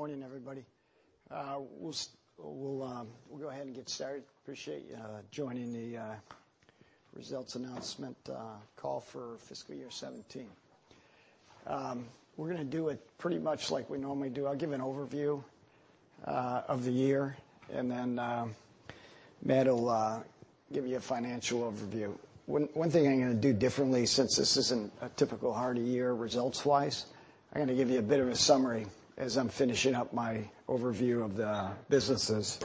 Morning, everybody. We'll go ahead and get started. Appreciate you joining the results announcement call for fiscal year 2017. We're gonna do it pretty much like we normally do. I'll give an overview of the year, and then Matt will give you a financial overview. One thing I'm gonna do differently, since this isn't a typical Hardie year results-wise, I'm gonna give you a bit of a summary as I'm finishing up my overview of the businesses,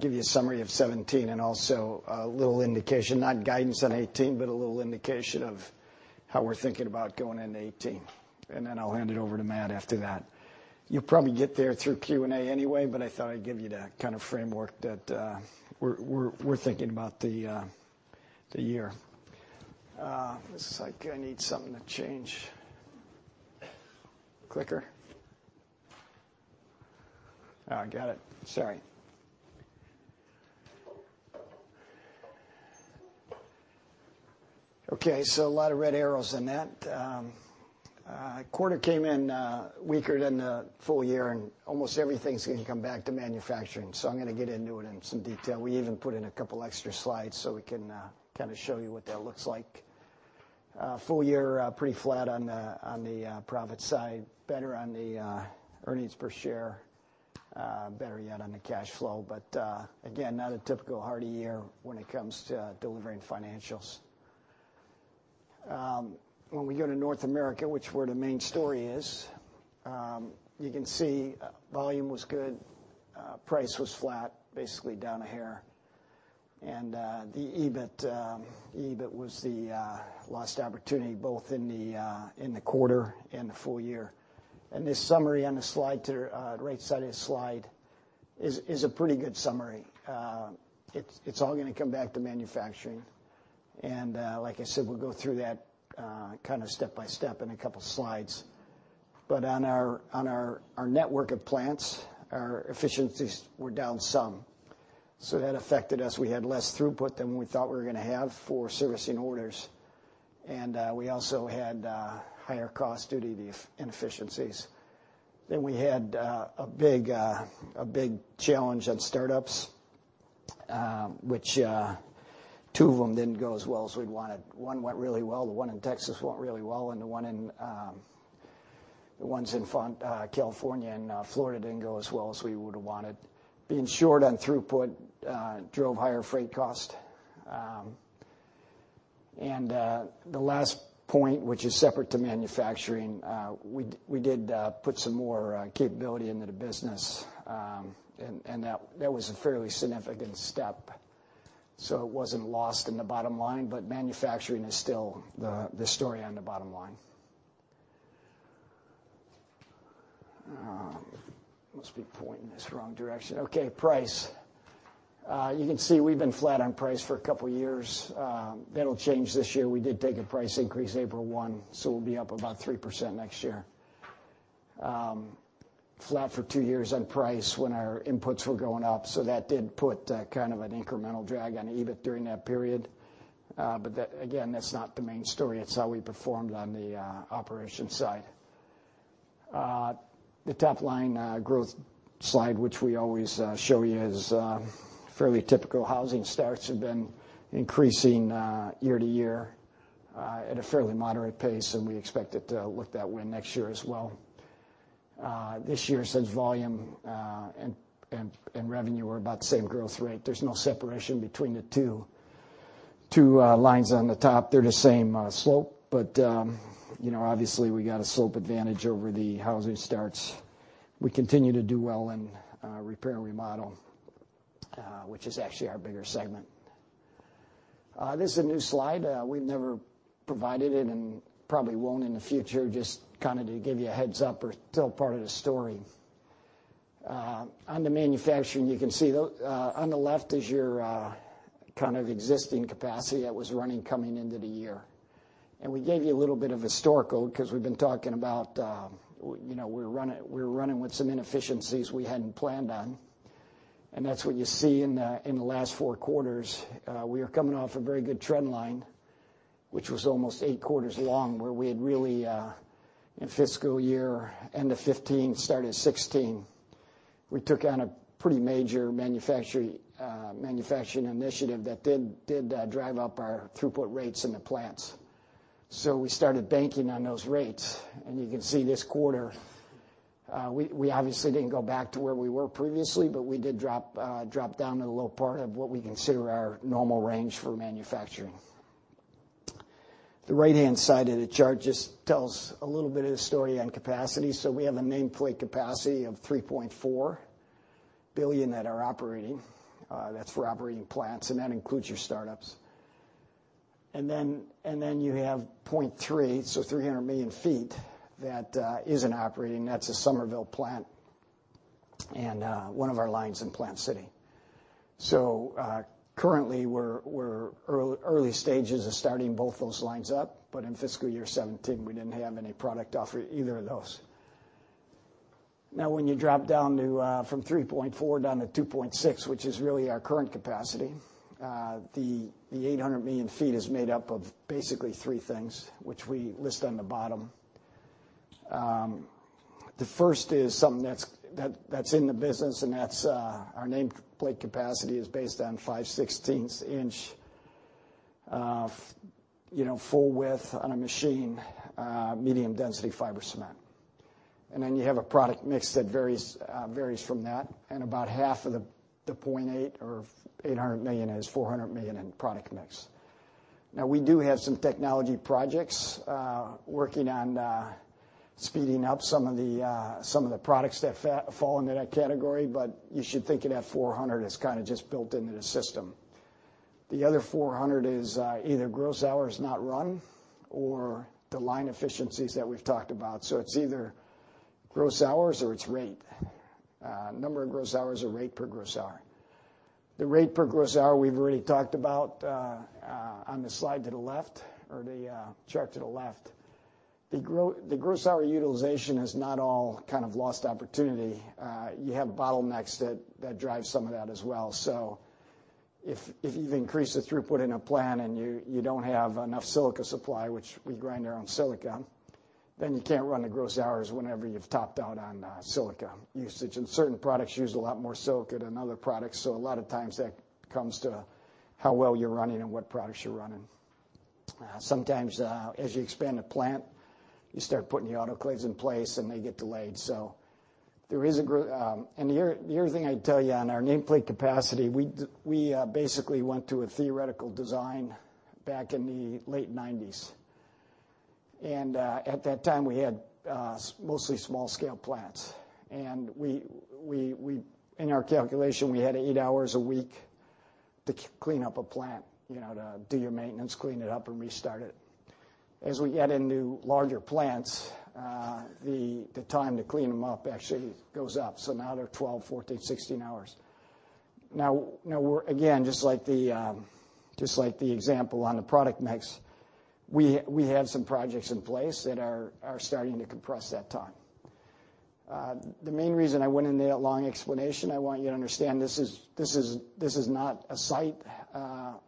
give you a summary of 2017 and also a little indication, not guidance on 2018, but a little indication of how we're thinking about going into 2018, and then I'll hand it over to Matt after that. You'll probably get there through Q&A anyway, but I thought I'd give you the kind of framework that we're thinking about the year. Looks like I need something to change. Clicker. I got it. Sorry. Okay, so a lot of red arrows in that. Quarter came in weaker than the full year, and almost everything's gonna come back to manufacturing, so I'm gonna get into it in some detail. We even put in a couple extra slides, so we can kinda show you what that looks like. Full year, pretty flat on the profit side, better on the earnings per share, better yet on the cash flow, but again, not a typical Hardie year when it comes to delivering financials. When we go to North America, which is where the main story is, you can see volume was good, price was flat, basically down a hair. And, the EBIT, EBIT was the lost opportunity, both in the quarter and the full year. And this summary on the slide to the right side of the slide is a pretty good summary. It's all gonna come back to manufacturing, and, like I said, we'll go through that kind of step by step in a couple slides. But on our network of plants, our efficiencies were down some, so that affected us. We had less throughput than we thought we were gonna have for servicing orders, and, we also had higher costs due to the inefficiencies. Then we had a big challenge at startups, which two of them didn't go as well as we'd wanted. One went really well. The one in Texas went really well, and the ones in Fontana, California and Florida didn't go as well as we would have wanted. Being short on throughput drove higher freight cost. And the last point, which is separate to manufacturing, we did put some more capability into the business, and that was a fairly significant step, so it wasn't lost in the bottom line, but manufacturing is still the story on the bottom line. Must be pointing this wrong direction. Okay, price. You can see we've been flat on price for a couple years. That'll change this year. We did take a price increase April one, so we'll be up about 3% next year. Flat for two years on price when our inputs were going up, so that did put kind of an incremental drag on EBIT during that period. But that again, that's not the main story. It's how we performed on the operation side. The top-line growth slide, which we always show you, is fairly typical. Housing starts have been increasing year to year at a fairly moderate pace, and we expect it to look that way next year as well. This year, since volume and revenue are about the same growth rate, there's no separation between the two lines on the top. They're the same slope, but you know, obviously, we got a slope advantage over the housing starts. We continue to do well in repair and remodel, which is actually our bigger segment. This is a new slide. We've never provided it and probably won't in the future, just kind of to give you a heads-up or tell part of the story. On the manufacturing, you can see, though, on the left is your kind of existing capacity that was running coming into the year. And we gave you a little bit of historical because we've been talking about you know, we're running with some inefficiencies we hadn't planned on, and that's what you see in the last four quarters. We are coming off a very good trend line, which was almost eight quarters long, where we had really in fiscal year, end of 2015, start of 2016, we took on a pretty major manufacturing initiative that did drive up our throughput rates in the plants. So we started banking on those rates, and you can see this quarter, we obviously didn't go back to where we were previously, but we did drop down to the low part of what we consider our normal range for manufacturing. The right-hand side of the chart just tells a little bit of the story on capacity. So we have a nameplate capacity of 3.4 billion that are operating. That's for operating plants, and that includes your startups. Then you have 0.3, so 300 million feet that isn't operating. That's the Summerville plant and one of our lines in Plant City. Currently, we're in early stages of starting both those lines up, but in fiscal year 2017, we didn't have any product off either of those. Now, when you drop down from 3.4 down to 2.6, which is really our current capacity, the 800 million feet is made up of basically three things, which we list on the bottom. The first is something that's in the business, and that's our nameplate capacity is based on five-sixteenths inch, you know, full width on a machine, medium density fiber cement. And then you have a product mix that varies from that, and about half of the 0.8 or $800 million is $400 million in product mix. Now, we do have some technology projects working on speeding up some of the products that fall into that category, but you should think of that $400 million as kinda just built into the system. The other $400 million is either gross hours not run or the line efficiencies that we've talked about. It's either gross hours or it's rate, number of gross hours or rate per gross hour. The rate per gross hour, we've already talked about on the slide to the left, or the chart to the left. The gross hour utilization is not all kind of lost opportunity. You have bottlenecks that drive some of that as well. So if you've increased the throughput in a plant, and you don't have enough silica supply, which we grind our own silica, then you can't run the gross hours whenever you've topped out on silica usage. And certain products use a lot more silica than other products, so a lot of times that comes to how well you're running and what products you're running. Sometimes as you expand a plant, you start putting the autoclaves in place, and they get delayed. And the other thing I'd tell you, on our nameplate capacity, we basically went to a theoretical design back in the late nineties. At that time, we had mostly small scale plants, and we. In our calculation, we had eight hours a week to clean up a plant, you know, to do your maintenance, clean it up, and restart it. As we get into larger plants, the time to clean them up actually goes up, so now they're 12, 14, 16 hours. Now, we're, again, just like the example on the product mix, we have some projects in place that are starting to compress that time. The main reason I went into that long explanation, I want you to understand this is not a site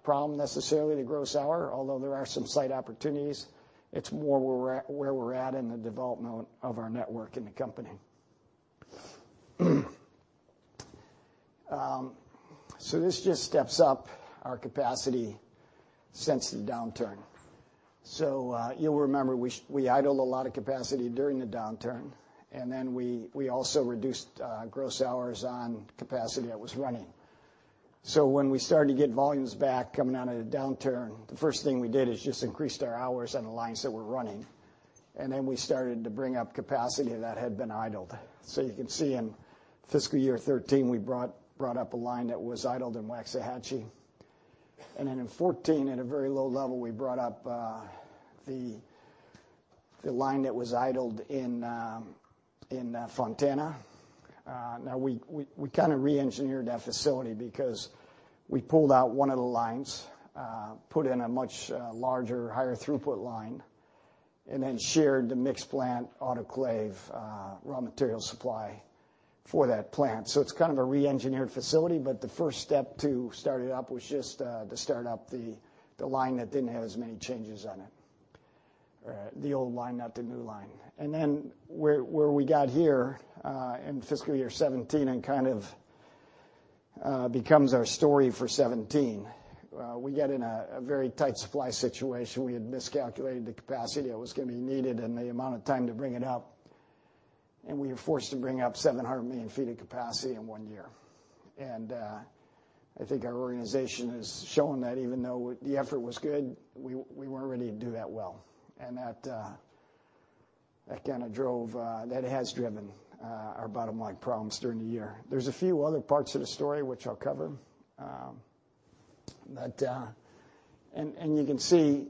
problem necessarily, the gross hour, although there are some site opportunities. It's more where we're at in the development of our network in the company. So this just steps up our capacity since the downturn. So, you'll remember, we idled a lot of capacity during the downturn, and then we also reduced gross hours on capacity that was running. So when we started to get volumes back coming out of the downturn, the first thing we did is just increased our hours on the lines that were running, and then we started to bring up capacity that had been idled. So you can see in fiscal year 2013, we brought up a line that was idled in Waxahachie. Then in 2014, at a very low level, we brought up the line that was idled in Fontana. Now we kind of reengineered that facility because we pulled out one of the lines, put in a much larger, higher throughput line, and then shared the mixed plant autoclave, raw material supply for that plant. So it's kind of a reengineered facility, but the first step to start it up was just to start up the line that didn't have as many changes on it. The old line, not the new line. And then where we got here in fiscal year 2017 and kind of becomes our story for 2017. We got in a very tight supply situation. We had miscalculated the capacity that was gonna be needed and the amount of time to bring it up, and we were forcoed to bring up 700 million feet of capacity in one year. And I think our organization has shown that even though the effort was good, we weren't ready to do that well. And that has driven our bottom line problems during the year. There's a few other parts to the story, which I'll cover, but. And you can see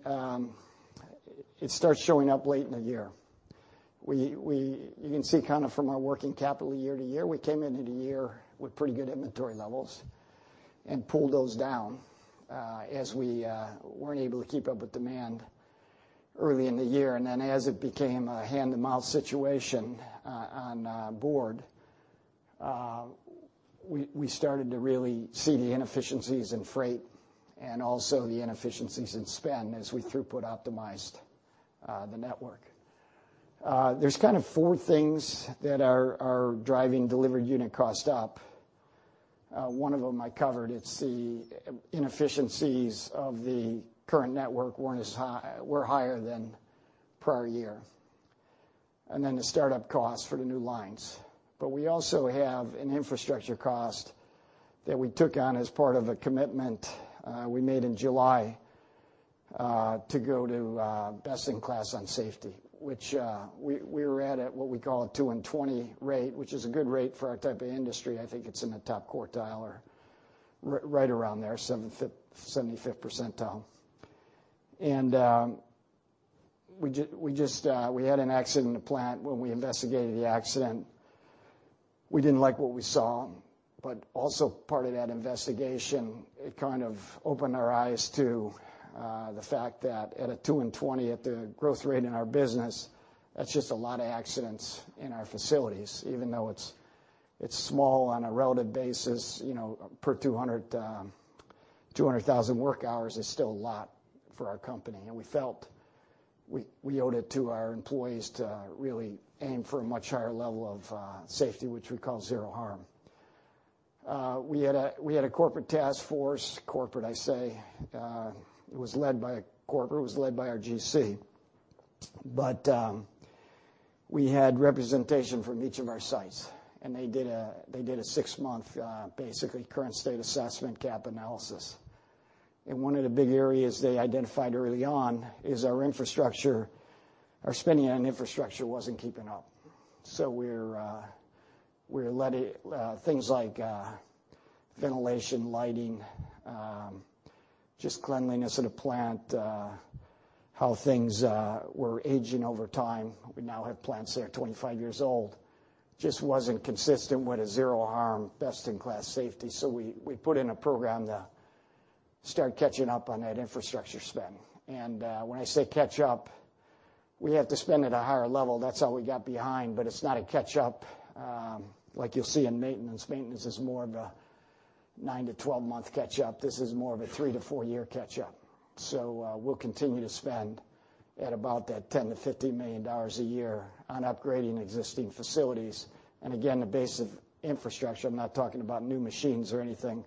it starts showing up late in the year. You can see kind of from our working capital year to year, we came into the year with pretty good inventory levels and pulled those down as we weren't able to keep up with demand early in the year. And then as it became a hand-to-mouth situation on board, we started to really see the inefficiencies in freight and also the inefficiencies in spend as we throughput optimized the network. There's kind of four things that are driving delivered unit cost up. One of them I covered. It's the inefficiencies of the current network were higher than prior year, and then the start-up costs for the new lines. But we also have an infrastructure cost that we took on as part of a commitment we made in July to go to best in class on safety, which we were at what we call a two and twenty rate, which is a good rate for our type of industry. I think it's in the top quartile or right around there, seventy-fifth percentile. We just had an accident in a plant. When we investigated the accident, we didn't like what we saw, but also part of that investigation, it kind of opened our eyes to the fact that at a two and twenty, at the growth rate in our business, that's just a lot of accidents in our facilities, even though it's small on a relative basis, you know, per 200,000 work hours is still a lot for our company, and we felt we owed it to our employees to really aim for a much higher level of safety, which we call Zero Harm. We had a corporate task force. Corporate, I say, it was led by our GC, but we had representation from each of our sites, and they did a six-month basically current state assessment, gap analysis. One of the big areas they identified early on is our infrastructure. Our spending on infrastructure wasn't keeping up. So we're letting things like ventilation, lighting, just cleanliness of the plant, how things were aging over time. We now have plants that are 25 years old. It just wasn't consistent with Zero Harm, best-in-class safety, so we put in a program to start catching up on that infrastructure spend. When I say catch up, we have to spend at a higher level. That's how we got behind, but it's not a catch-up like you'll see in maintenance. Maintenance is more of a 9 to 12-month catch-up. This is more of a 3 to 4-year catch-up. So we'll continue to spend at about that $10-$15 million a year on upgrading existing facilities. And again, the base of infrastructure. I'm not talking about new machines or anything,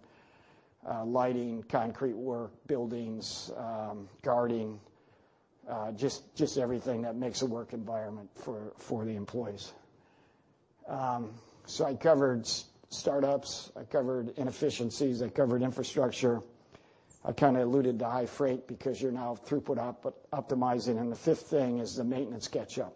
lighting, concrete work, buildings, guarding, just everything that makes a work environment for the employees. So I covered startups, I covered inefficiencies, I covered infrastructure. I kinda alluded to high freight because you're now throughput optimizing, and the fifth thing is the maintenance catch-up.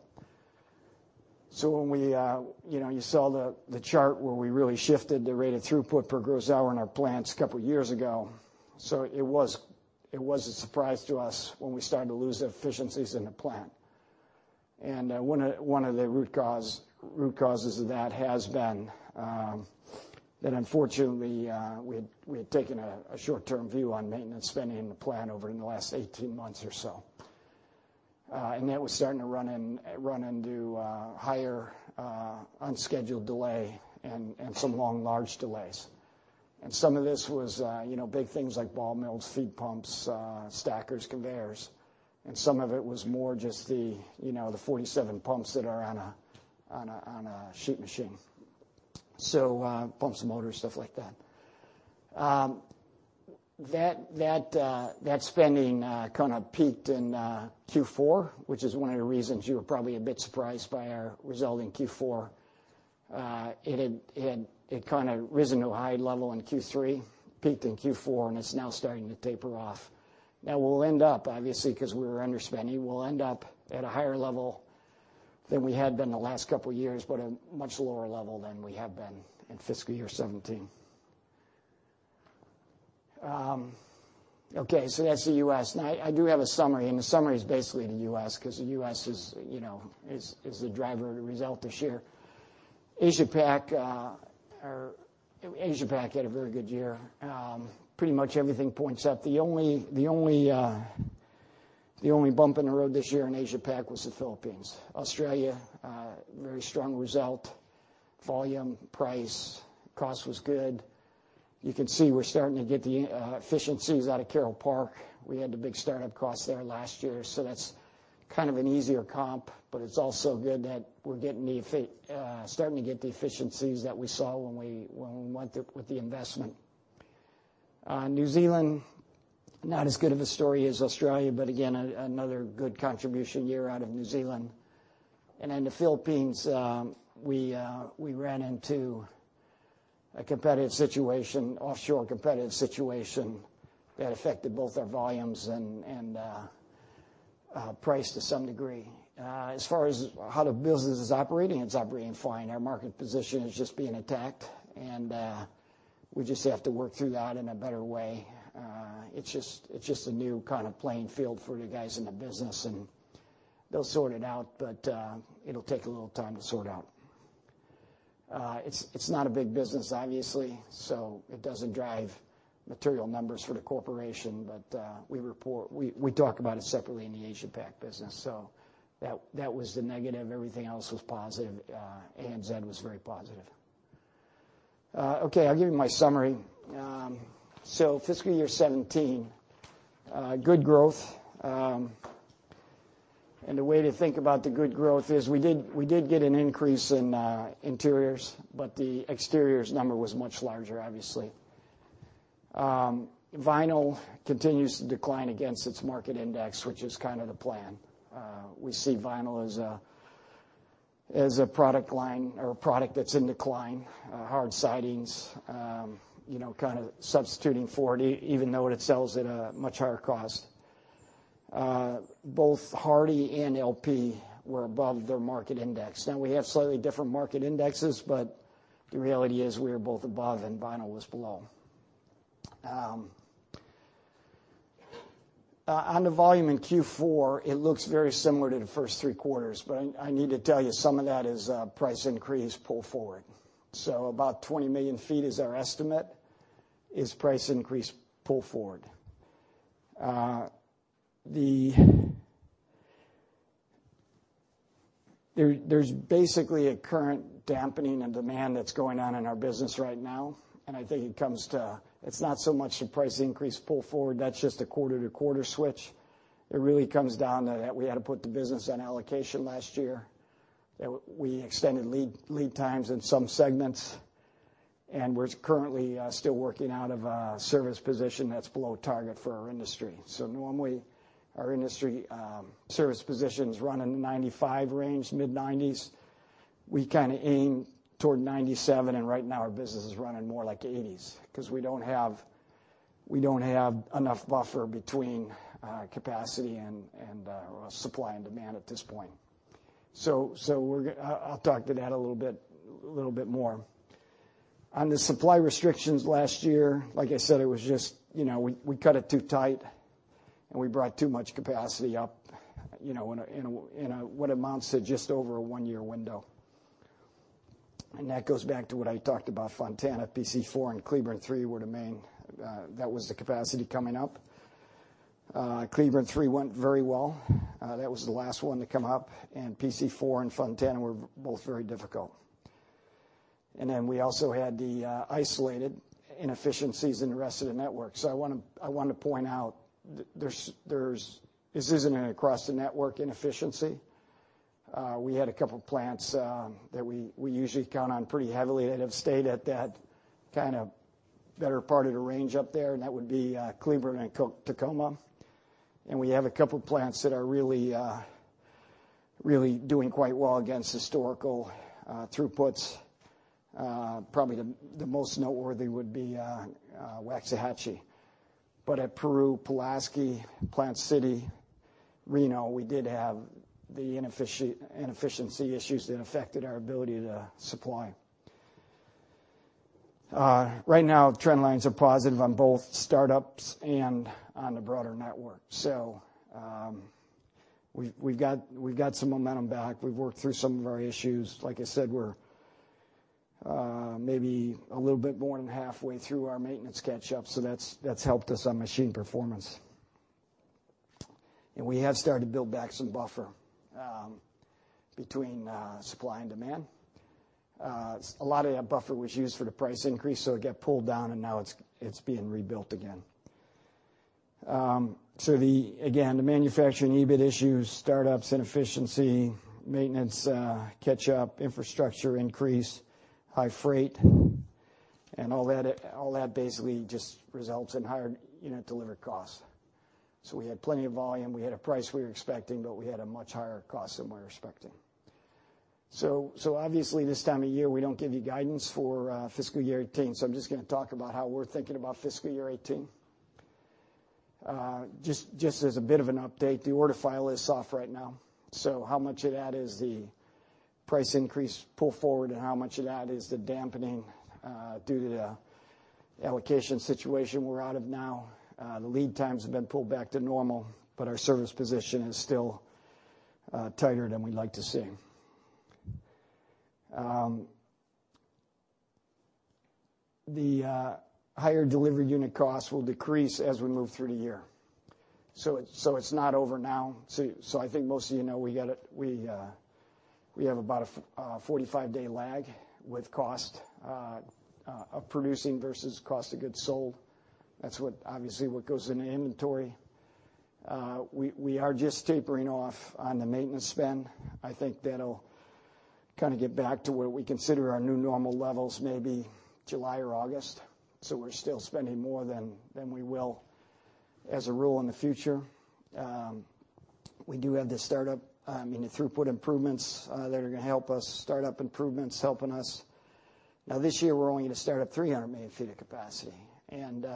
So when we, you know, you saw the chart where we really shifted the rate of throughput per gross hour in our plants a couple years ago, so it was a surprise to us when we started to lose efficiencies in the plant. And one of the root causes of that has been that unfortunately we had taken a short-term view on maintenance spending in the plant over the last 18 months or so. And that was starting to run into higher unscheduled delay and some long, large delays. And some of this was, you know, big things like ball mills, feed pumps, stackers, conveyors, and some of it was more just the, you know, the 47 pumps that are on a sheet machine. So, pumps, motors, stuff like that. That spending kinda peaked in Q4, which is one of the reasons you were probably a bit surprised by our result in Q4. It had kinda risen to a high level in Q3, peaked in Q4, and it's now starting to taper off. Now, we'll end up, obviously, 'cause we were underspending, we'll end up at a higher level than we had been the last couple of years, but a much lower level than we have been in fiscal year 2017. Okay, so that's the U.S. Now, I do have a summary, and the summary is basically the U.S., 'cause the U.S. is, you know, the driver of the result this year. Asia Pac had a very good year. Pretty much everything points up. The only bump in the road this year in Asia Pac was the Philippines. Australia, very strong result, volume, price, cost was good. You can see we're starting to get the efficiencies out of Carole Park. We had the big start-up costs there last year, so that's kind of an easier comp, but it's also good that we're starting to get the efficiencies that we saw when we went with the investment. New Zealand, not as good of a story as Australia, but again, another good contribution year out of New Zealand. And in the Philippines, we ran into a competitive situation, offshore competitive situation, that affected both our volumes and price to some degree. As far as how the business is operating, it's operating fine. Our market position is just being attacked, and we just have to work through that in a better way. It's just a new kinda playing field for the guys in the business, and they'll sort it out, but it'll take a little time to sort out. It's not a big business, obviously, so it doesn't drive material numbers for the corporation, but we report. We talk about it separately in the Asia Pac business, so that was the negative. Everything else was positive. ANZ was very positive. Okay, I'll give you my summary. So fiscal year 2017, good growth, and the way to think about the good growth is we did get an increase in interiors, but the exteriors number was much larger, obviously. Vinyl continues to decline against its market index, which is kind of the plan. We see vinyl as a product line or a product that's in decline. Hard sidings, you know, kind of substituting for it, even though it sells at a much higher cost. Both Hardie and LP were above their market index. Now, we have slightly different market indexes, but the reality is we are both above, and vinyl was below. On the volume in Q4, it looks very similar to the first three quarters, but I need to tell you, some of that is price increase pull forward. So about 20 million feet is our estimate, price increase pull forward. There's basically a current dampening in demand that's going on in our business right now, and I think it comes to, it's not so much the price increase pull forward. That's just a quarter-to-quarter switch. It really comes down to that we had to put the business on allocation last year, that we extended lead times in some segments, and we're currently still working out of a service position that's below target for our industry. So normally, our industry, service positions run in the 95% range, mid-90s. We kind of aim toward 97%, and right now, our business is running more like 80s because we don't have enough buffer between capacity and supply and demand at this point. So, we're. I, I'll talk to that a little bit more. On the supply restrictions last year, like I said, it was just, you know, we cut it too tight, and we brought too much capacity up, you know, in a what amounts to just over a one-year window. And that goes back to what I talked about Fontana. PC4 and Cleburne 3 were the main, that was the capacity coming up. Cleburne 3 went very well. That was the last one to come up, and PC4 and Fontana were both very difficult. And then we also had the isolated inefficiencies in the rest of the network. So I wanna, I want to point out there's this isn't an across-the-network inefficiency. We had a couple plants that we usually count on pretty heavily that have stayed at that kind of better part of the range up there, and that would be Cleburne and Tacoma. And we have a couple plants that are really, really doing quite well against historical throughputs. Probably the most noteworthy would be Waxahachie. But at Peru, Pulaski, Plant City, Reno, we did have the inefficiency issues that affected our ability to supply. Right now, trend lines are positive on both startups and on the broader network. So, we've got some momentum back. We've worked through some of our issues. Like I said, we're maybe a little bit more than halfway through our maintenance catch-up, so that's helped us on machine performance. And we have started to build back some buffer between supply and demand. A lot of that buffer was used for the price increase, so it got pulled down, and now it's being rebuilt again. So the, again, the manufacturing EBIT issues, startups, inefficiency, maintenance, catch-up, infrastructure increase, high freight, and all that basically just results in higher unit delivered costs. We had plenty of volume, we had a price we were expecting, but we had a much higher cost than we were expecting. So obviously, this time of year, we don't give you guidance for fiscal year 2018, so I'm just gonna talk about how we're thinking about fiscal year 2018. Just, just as a bit of an update, the order file is soft right now, so how much of that is the price increase pull forward, and how much of that is the dampening due to the allocation situation we're out of now? The lead times have been pulled back to normal, but our service position is still tighter than we'd like to see. The higher delivery unit costs will decrease as we move through the year. So it's not over now. So I think most of you know, we got a... We have about a 45-day lag with cost of producing versus cost of goods sold. That's what, obviously, what goes into inventory. We are just tapering off on the maintenance spend. I think that'll kind of get back to what we consider our new normal levels, maybe July or August, so we're still spending more than we will as a rule in the future. We do have the startup, I mean, the throughput improvements that are gonna help us, startup improvements helping us. Now, this year, we're only gonna start up 300 million feet of capacity, and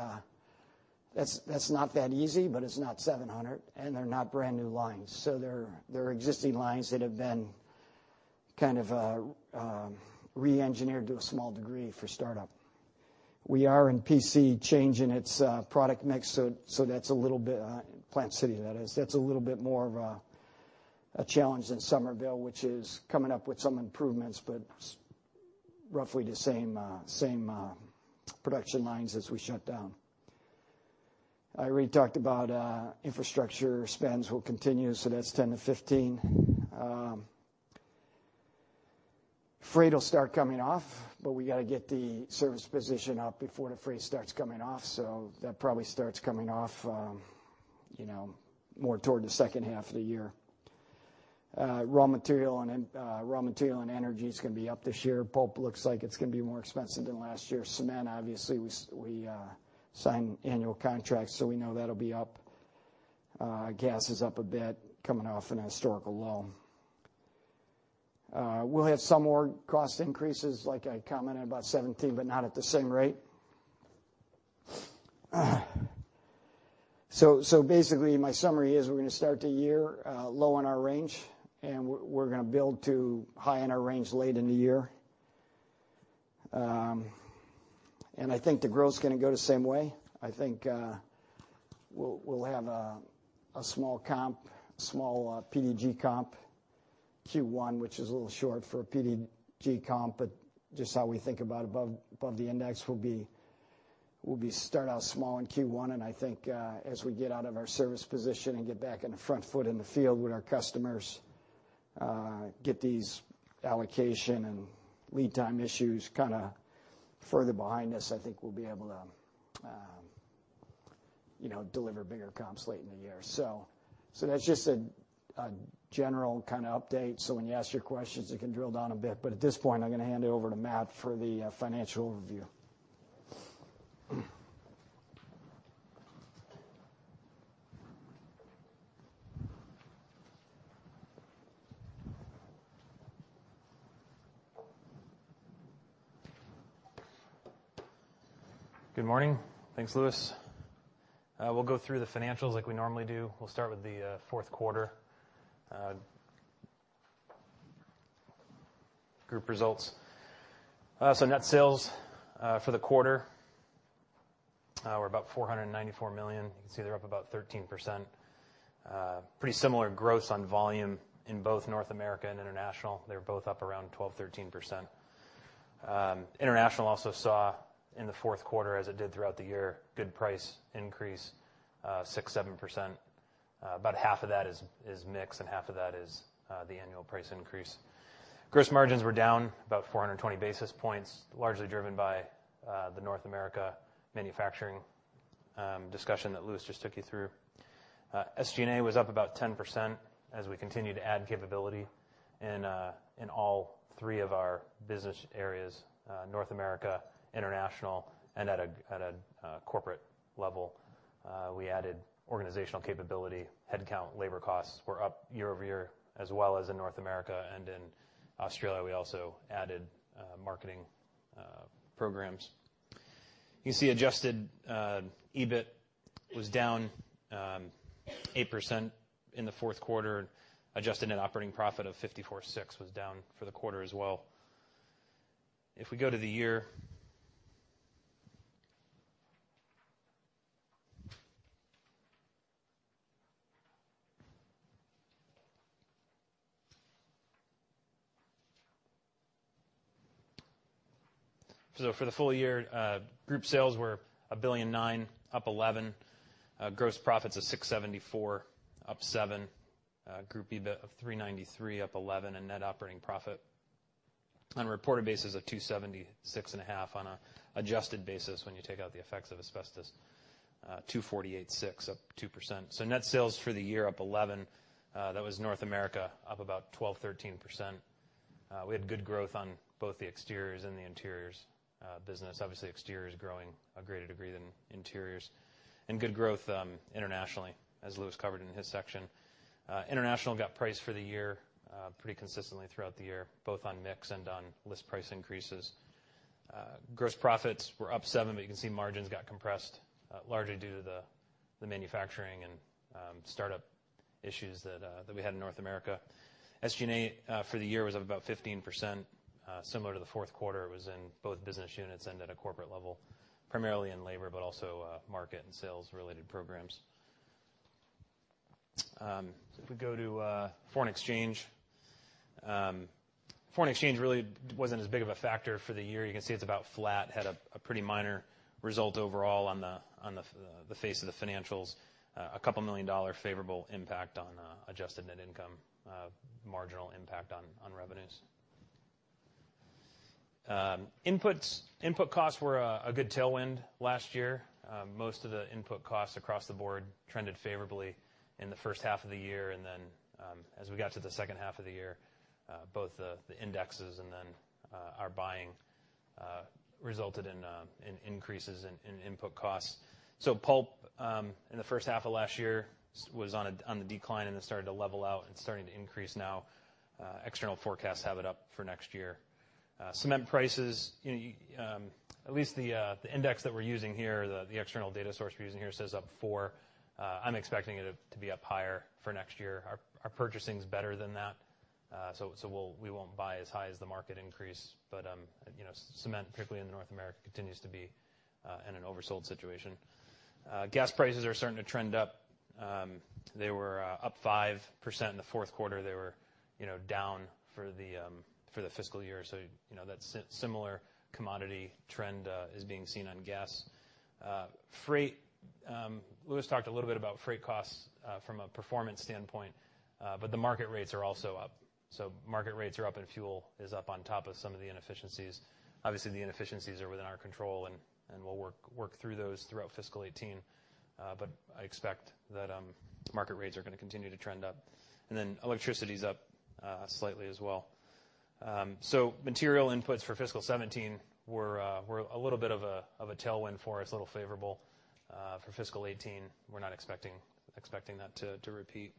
that's not that easy, but it's not seven hundred, and they're not brand-new lines. So they're existing lines that have been kind of reengineered to a small degree for startup. We are in PC changing its product mix, so that's a little bit. Plant City, that is. That's a little bit more of a challenge than Summerville, which is coming up with some improvements, but roughly the same production lines as we shut down. I already talked about infrastructure spends will continue, so that's 10-15. Freight will start coming off, but we gotta get the service position up before the freight starts coming off, so that probably starts coming off, you know, more toward the second half of the year. Raw material and then raw material and energy's gonna be up this year. Pulp looks like it's gonna be more expensive than last year. Cement, obviously, we sign annual contracts, so we know that'll be up. Gas is up a bit, coming off an historical low. We'll have some more cost increases, like I commented, about 2017, but not at the same rate. So basically, my summary is, we're gonna start the year low in our range, and we're gonna build to high in our range late in the year. And I think the growth's gonna go the same way. I think we'll have a small comp, a small PDG comp, Q1, which is a little short for a PDG comp, but just how we think about above the index will be... We'll start out small in Q1, and I think, as we get out of our service position and get back on the front foot in the field with our customers, get these allocation and lead time issues kind of further behind us, I think we'll be able to, you know, deliver bigger comps late in the year. So that's just a general kind of update, so when you ask your questions, it can drill down a bit. But at this point, I'm going to hand it over to Matt for the financial overview. Good morning. Thanks, Louis. We'll go through the financials like we normally do. We'll start with the fourth quarter group results. So net sales for the quarter were about $494 million. You can see they're up about 13%. Pretty similar growth on volume in both North America and International. They're both up around 12%-13%. International also saw, in the fourth quarter, as it did throughout the year, good price increase 6%-7%. About half of that is mix, and half of that is the annual price increase. Gross margins were down about 420 basis points, largely driven by the North America manufacturing discussion that Louis just took you through. SG&A was up about 10% as we continued to add capability in all three of our business areas, North America, International, and at a corporate level. We added organizational capability, headcount, labor costs were up year-over-year, as well as in North America and in Australia. We also added marketing programs. You see adjusted EBIT was down 8% in the fourth quarter. Adjusted net operating profit of $546 million was down for the quarter as well. If we go to the year. So for the full year, group sales were $1.9 billion, up 11%. Gross profits of $674 million, up 7%. Group EBIT of $393 million, up 11%, and net operating profit on a reported basis of $276.5 million. On an adjusted basis, when you take out the effects of asbestos, $248.6 million, up 2%. So net sales for the year up 11%. That was North America, up about 12%-13%. We had good growth on both the exteriors and the interiors business. Obviously, exterior is growing a greater degree than interiors, and good growth internationally, as Louis covered in his section. International got priced for the year pretty consistently throughout the year, both on mix and on list price increases. Gross profits were up 7%, but you can see margins got compressed largely due to the manufacturing and startup issues that we had in North America. SG&A for the year was up about 15%, similar to the fourth quarter. It was in both business units and at a corporate level, primarily in labor, but also market and sales-related programs. If we go to foreign exchange. Foreign exchange really wasn't as big of a factor for the year. You can see it's about flat, had a pretty minor result overall on the face of the financials. A $2 million favorable impact on adjusted net income, marginal impact on revenues. Inputs. Input costs were a good tailwind last year. Most of the input costs across the board trended favorably in the first half of the year, and then, as we got to the second half of the year, both the indexes and then our buying resulted in increases in input costs. Pulp in the first half of last year was on the decline, and then started to level out and starting to increase now. External forecasts have it up for next year. Cement prices, at least the index that we're using here, the external data source we're using here, says up 4%. I'm expecting it to be up higher for next year. Our purchasing is better than that, so we won't buy as high as the market increase, but you know, cement, particularly in North America, continues to be in an oversupplied situation. Gas prices are starting to trend up. They were up 5% in the fourth quarter. They were, you know, down for the fiscal year, so, you know, that similar commodity trend is being seen on gas. Freight, Louis talked a little bit about freight costs from a performance standpoint, but the market rates are also up. So market rates are up, and fuel is up on top of some of the inefficiencies. Obviously, the inefficiencies are within our control, and we'll work through those throughout fiscal eighteen. But I expect that market rates are going to continue to trend up. And then electricity is up slightly as well. So material inputs for fiscal seventeen were a little bit of a tailwind for us, a little favorable. For fiscal eighteen, we're not expecting that to repeat.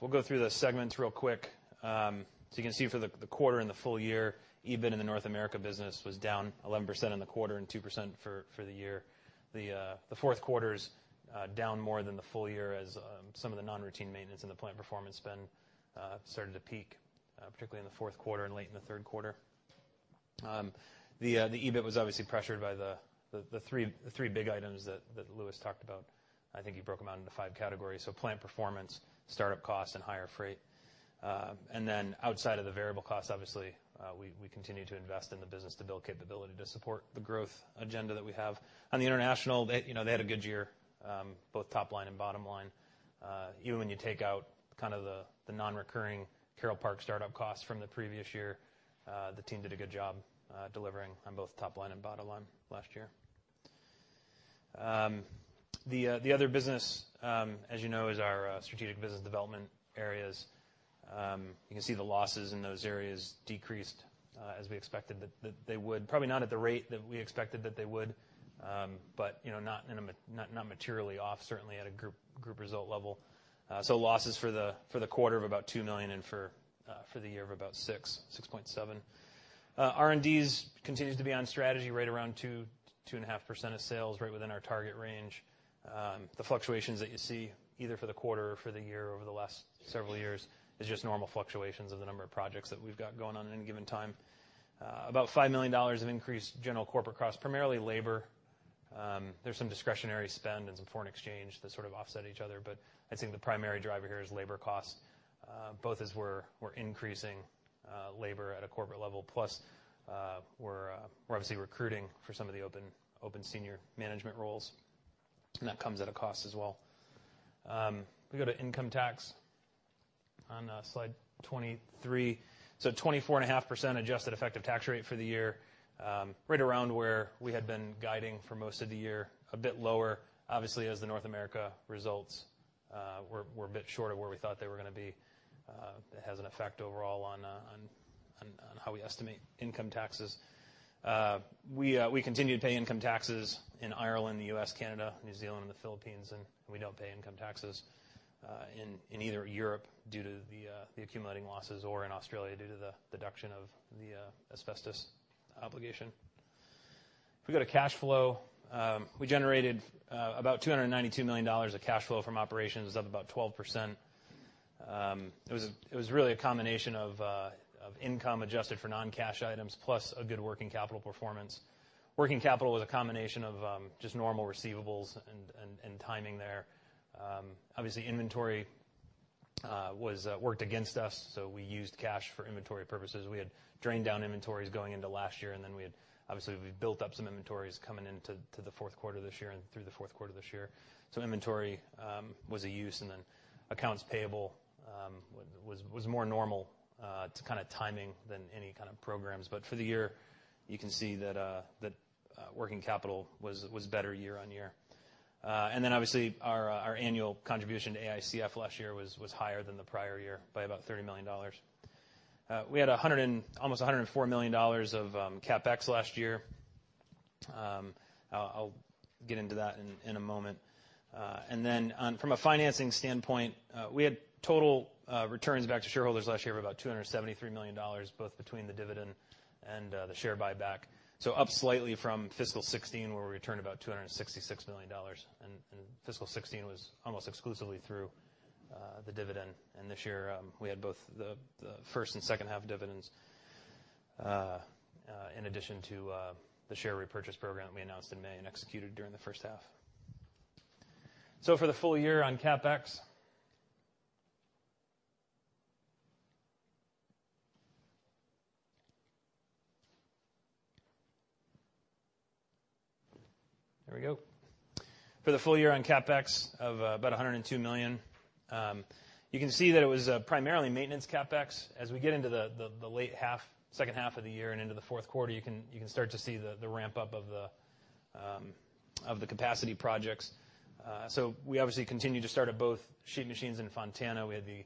We'll go through the segments real quick. So you can see for the quarter and the full year, EBIT in the North America business was down 11% in the quarter and 2% for the year. The fourth quarter's down more than the full year as some of the non-routine maintenance and the plant performance spend started to peak, particularly in the fourth quarter and late in the third quarter... The EBIT was obviously pressured by the three big items that Louis talked about. I think he broke them out into five categories: so plant performance, startup costs, and higher freight, and then outside of the variable costs, obviously, we continue to invest in the business to build capability to support the growth agenda that we have. On the international, they, you know, they had a good year, both top line and bottom line. Even when you take out kind of the nonrecurring Carroll Park startup costs from the previous year, the team did a good job delivering on both top line and bottom line last year. The other business, as you know, is our strategic business development areas. You can see the losses in those areas decreased, as we expected that they would. Probably not at the rate that we expected that they would, but, you know, not materially off, certainly at a group result level. So losses for the quarter of about $2 million and for the year of about $6.7 million. R&D's continues to be on strategy, right around 2%-2.5% of sales, right within our target range. The fluctuations that you see, either for the quarter or for the year over the last several years, is just normal fluctuations of the number of projects that we've got going on at any given time. About $5 million of increased general corporate costs, primarily labor. There's some discretionary spend and some foreign exchange that sort of offset each other, but I'd say the primary driver here is labor costs, both as we're increasing labor at a corporate level, plus, we're obviously recruiting for some of the open senior management roles, and that comes at a cost as well. If we go to income tax on slide 23, so 24.5% adjusted effective tax rate for the year, right around where we had been guiding for most of the year. A bit lower, obviously, as the North America results were a bit short of where we thought they were gonna be. It has an effect overall on how we estimate income taxes. We continue to pay income taxes in Ireland, the U.S., Canada, New Zealand, and the Philippines, and we don't pay income taxes in either Europe due to the accumulating losses or in Australia due to the deduction of the asbestos obligation. If we go to cash flow, we generated about $292 million of cash flow from operations, up about 12%. It was really a combination of income adjusted for non-cash items, plus a good working capital performance. Working capital was a combination of just normal receivables and timing there. Obviously, inventory was worked against us, so we used cash for inventory purposes. We had drained down inventories going into last year, and then we had, obviously, we built up some inventories coming into the fourth quarter this year and through the fourth quarter this year. So inventory was a use, and then accounts payable was more normal to kind of timing than any kind of programs. But for the year, you can see that working capital was better year on year. And then, obviously, our annual contribution to AICF last year was higher than the prior year by about $30 million. We had almost $104 million of CapEx last year. I'll get into that in a moment. From a financing standpoint, we had total returns back to shareholders last year of about $273 million, both between the dividend and the share buyback. So up slightly from fiscal 2016, where we returned about $266 million, and fiscal 2016 was almost exclusively through the dividend. And this year, we had both the first and second half dividends in addition to the share repurchase program that we announced in May and executed during the first half. So for the full year on CapEx. There we go. For the full year on CapEx of about $102 million, you can see that it was primarily maintenance CapEx. As we get into the latter half, second half of the year and into the fourth quarter, you can start to see the ramp-up of the capacity projects. So we obviously continued to start up both sheet machines in Fontana. We had the,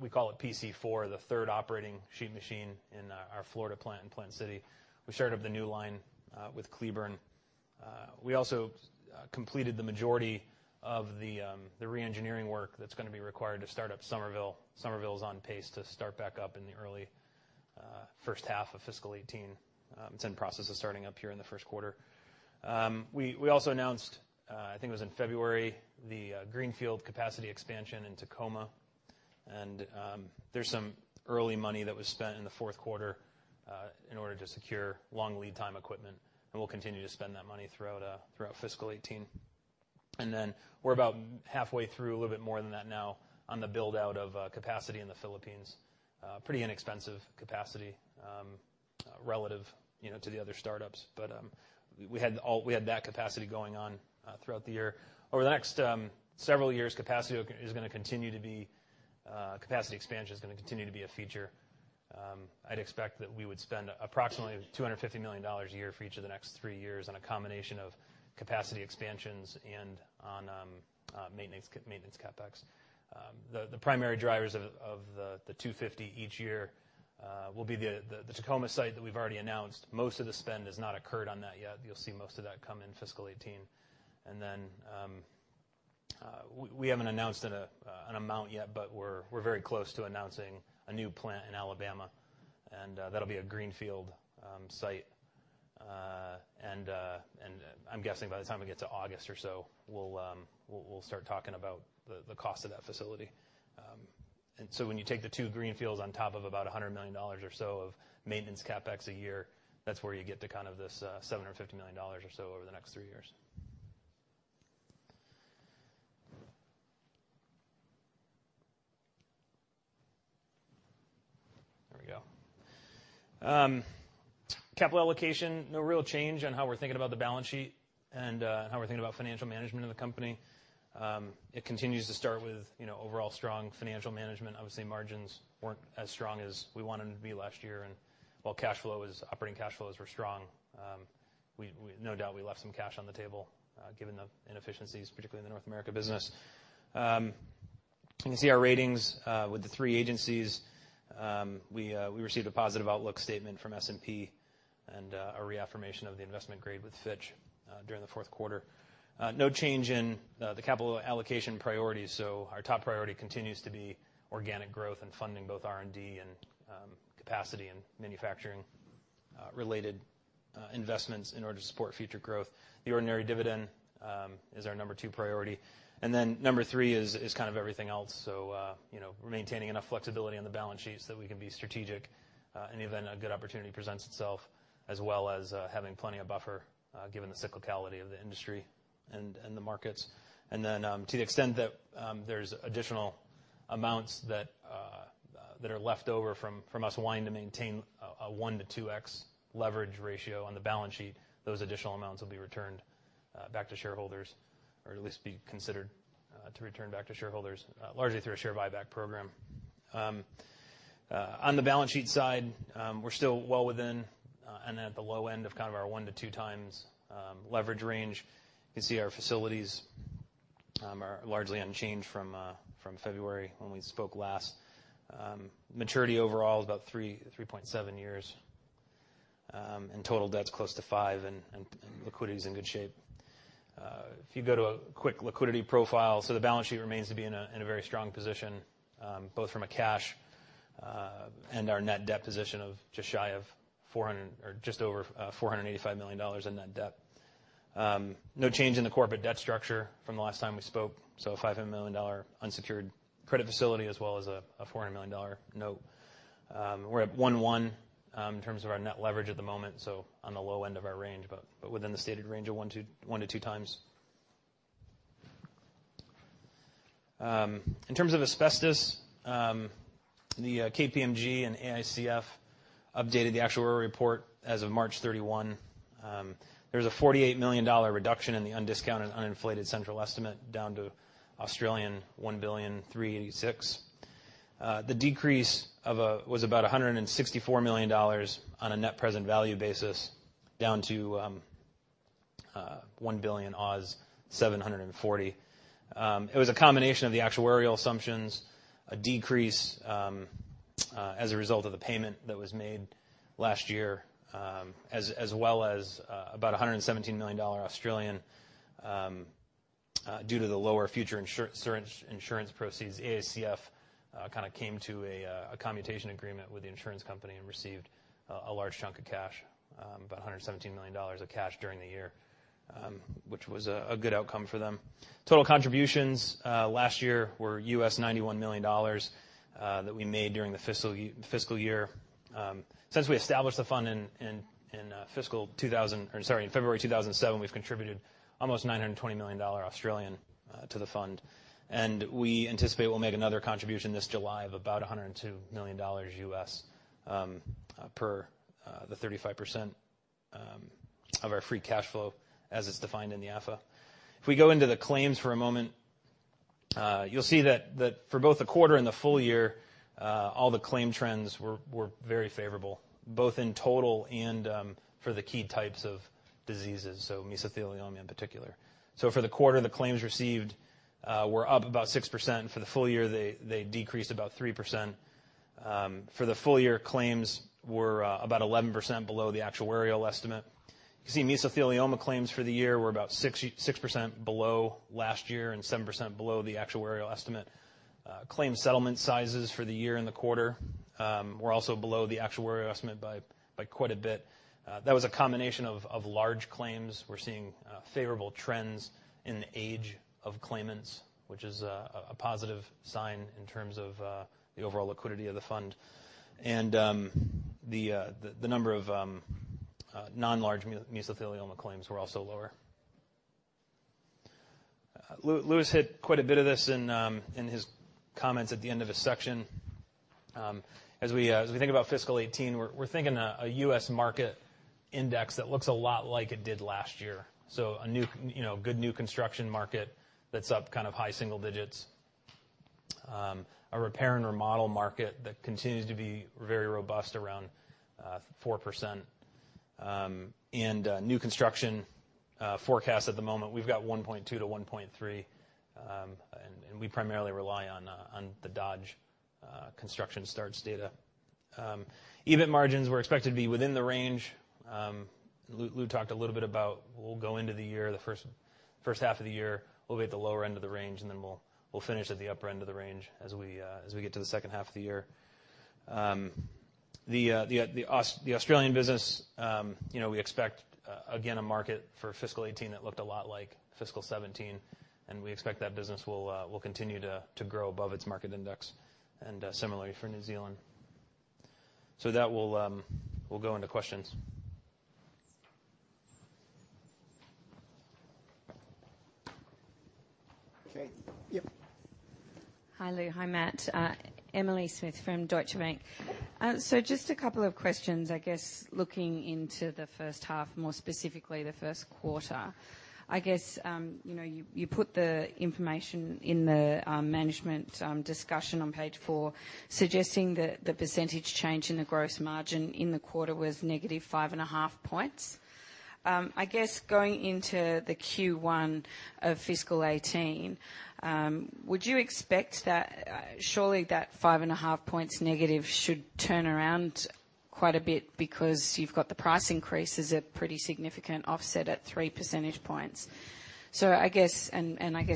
we call it PC4, the third operating sheet machine in our Florida plant in Plant City. We started up the new line with Cleburne. We also completed the majority of the reengineering work that's gonna be required to start up Summerville. Summerville is on pace to start back up in the early first half of fiscal 2018. It's in process of starting up here in the first quarter. We also announced, I think it was in February, the greenfield capacity expansion in Tacoma, and there's some early money that was spent in the fourth quarter in order to secure long lead time equipment, and we'll continue to spend that money throughout fiscal 2018, and then we're about halfway through, a little bit more than that now, on the build-out of capacity in the Philippines. Pretty inexpensive capacity, relative, you know, to the other startups, but we had that capacity going on throughout the year. Over the next several years, capacity is gonna continue to be. Capacity expansion is gonna continue to be a feature. I'd expect that we would spend approximately $250 million a year for each of the next three years on a combination of capacity expansions and on maintenance CapEx. The primary drivers of the two fifty each year will be the Tacoma site that we've already announced. Most of the spend has not occurred on that yet. You'll see most of that come in fiscal 2018, and then we haven't announced an amount yet, but we're very close to announcing a new plant in Alabama, and that'll be a greenfield site, and I'm guessing by the time we get to August or so, we'll start talking about the cost of that facility. And so when you take the two greenfields on top of about $100 million or so of maintenance CapEx a year, that's where you get to kind of this $750 million or so over the next three years. There we go. Capital allocation, no real change on how we're thinking about the balance sheet and how we're thinking about financial management of the company. It continues to start with, you know, overall strong financial management. Obviously, margins weren't as strong as we wanted them to be last year, and while cash flow is, operating cash flows were strong, we no doubt left some cash on the table given the inefficiencies, particularly in the North America business. You can see our ratings with the three agencies. We received a positive outlook statement from S&P and a reaffirmation of the investment grade with Fitch during the fourth quarter. No change in the capital allocation priority, so our top priority continues to be organic growth and funding both R&D and capacity and manufacturing related investments in order to support future growth. The ordinary dividend is our number two priority, and then number three is kind of everything else, so you know, we're maintaining enough flexibility on the balance sheet so that we can be strategic in the event a good opportunity presents itself, as well as having plenty of buffer given the cyclicality of the industry and the markets. And then, to the extent that there's additional amounts that are left over from us wanting to maintain a one to two X leverage ratio on the balance sheet, those additional amounts will be returned back to shareholders or at least be considered to return back to shareholders, largely through a share buyback program. On the balance sheet side, we're still well within and at the low end of kind of our one to two times leverage range. You can see our facilities are largely unchanged from February when we spoke last. Maturity overall is about 3.7 years, and total debt's close to five, and liquidity is in good shape. If you go to a quick liquidity profile, so the balance sheet remains to be in a very strong position, both from a cash and our net debt position of just shy of $400 million... or just over $485 million in net debt. No change in the corporate debt structure from the last time we spoke, so a $500 million unsecured credit facility as well as a $400 million note. We're at 1:1 in terms of our net leverage at the moment, so on the low end of our range, but within the stated range of one to two times. In terms of asbestos, the KPMG and AICF updated the actuarial report as of March 31. There's a 48 million dollar reduction in the undiscounted, uninflated central estimate down to 1.386 billion Australian dollars. The decrease was about 164 million dollars on a net present value basis, down to 1.740 billion. It was a combination of the actuarial assumptions, a decrease as a result of the payment that was made last year, as well as about 117 million Australian dollars due to the lower future insurance proceeds. AICF kind of came to a commutation agreement with the insurance company and received a large chunk of cash, about 117 million dollars of cash during the year, which was a good outcome for them. Total contributions last year were $91 million that we made during the fiscal year. Since we established the fund in February 2007, we've contributed almost 920 million Australian dollars to the fund, and we anticipate we'll make another contribution this July of about $102 million per 35% of our free cash flow as it's defined in the AFA. If we go into the claims for a moment, you'll see that for both the quarter and the full year, all the claim trends were very favorable, both in total and for the key types of diseases, so mesothelioma in particular. For the quarter, the claims received were up about 6%. For the full year, they decreased about 3%. For the full year, claims were about 11% below the actuarial estimate. You can see mesothelioma claims for the year were about 6% below last year and 7% below the actuarial estimate. Claims settlement sizes for the year and the quarter were also below the actuarial estimate by quite a bit. That was a combination of large claims. We're seeing favorable trends in age of claimants, which is a positive sign in terms of the overall liquidity of the fund. The number of non-large mesothelioma claims were also lower. Louis hit quite a bit of this in his comments at the end of his section. As we think about fiscal 2018, we're thinking a U.S. market index that looks a lot like it did last year. So a new, you know, good new construction market that's up kind of high single digits, a repair and remodel market that continues to be very robust, around 4%, and new construction forecast at the moment, we've got 1.2 to 1.3, and we primarily rely on the Dodge construction starts data. EBIT margins were expected to be within the range. Lou talked a little bit about we'll go into the year, the first half of the year, we'll be at the lower end of the range, and then we'll finish at the upper end of the range as we get to the second half of the year. The Australian business, you know, we expect again a market for fiscal 2018 that looked a lot like fiscal 2017, and we expect that business will continue to grow above its market index, and similarly for New Zealand. So with that, we'll go into questions. Okay. Yep. Hi, Lou. Hi, Matt. Emily Smith from Deutsche Bank. So just a couple of questions. I guess, looking into the first half, more specifically, the first quarter, I guess, you know, you put the information in the management discussion on page four, suggesting that the percentage change in the gross margin in the quarter was -5.5 points. I guess going into the Q1 of fiscal 2018, would you expect that -5.5 points should turn around quite a bit because you've got the price increases, a pretty significant offset at three percentage points. I guess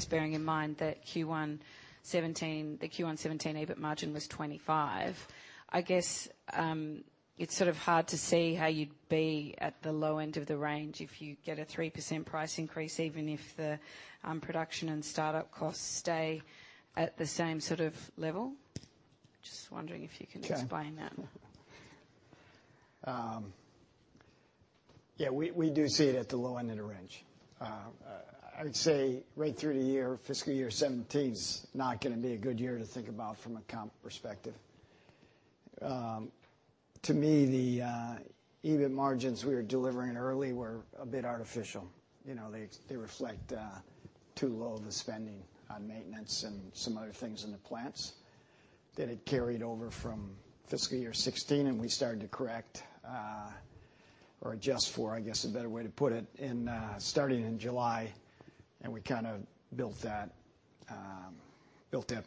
bearing in mind that Q1 2017, the Q1 2017 EBIT margin was 25%, I guess, it's sort of hard to see how you'd be at the low end of the range if you get a 3% price increase, even if the production and startup costs stay at the same sort of level. Just wondering if you can explain that? Sure. Yeah, we do see it at the low end of the range. I'd say right through the year, fiscal year 2017 is not gonna be a good year to think about from a comp perspective. To me, the EBIT margins we were delivering early were a bit artificial. You know, they reflect too low of the spending on maintenance and some other things in the plants that had carried over from fiscal year 2016, and we started to correct or adjust for, I guess, a better way to put it, starting in July, and we kind of built that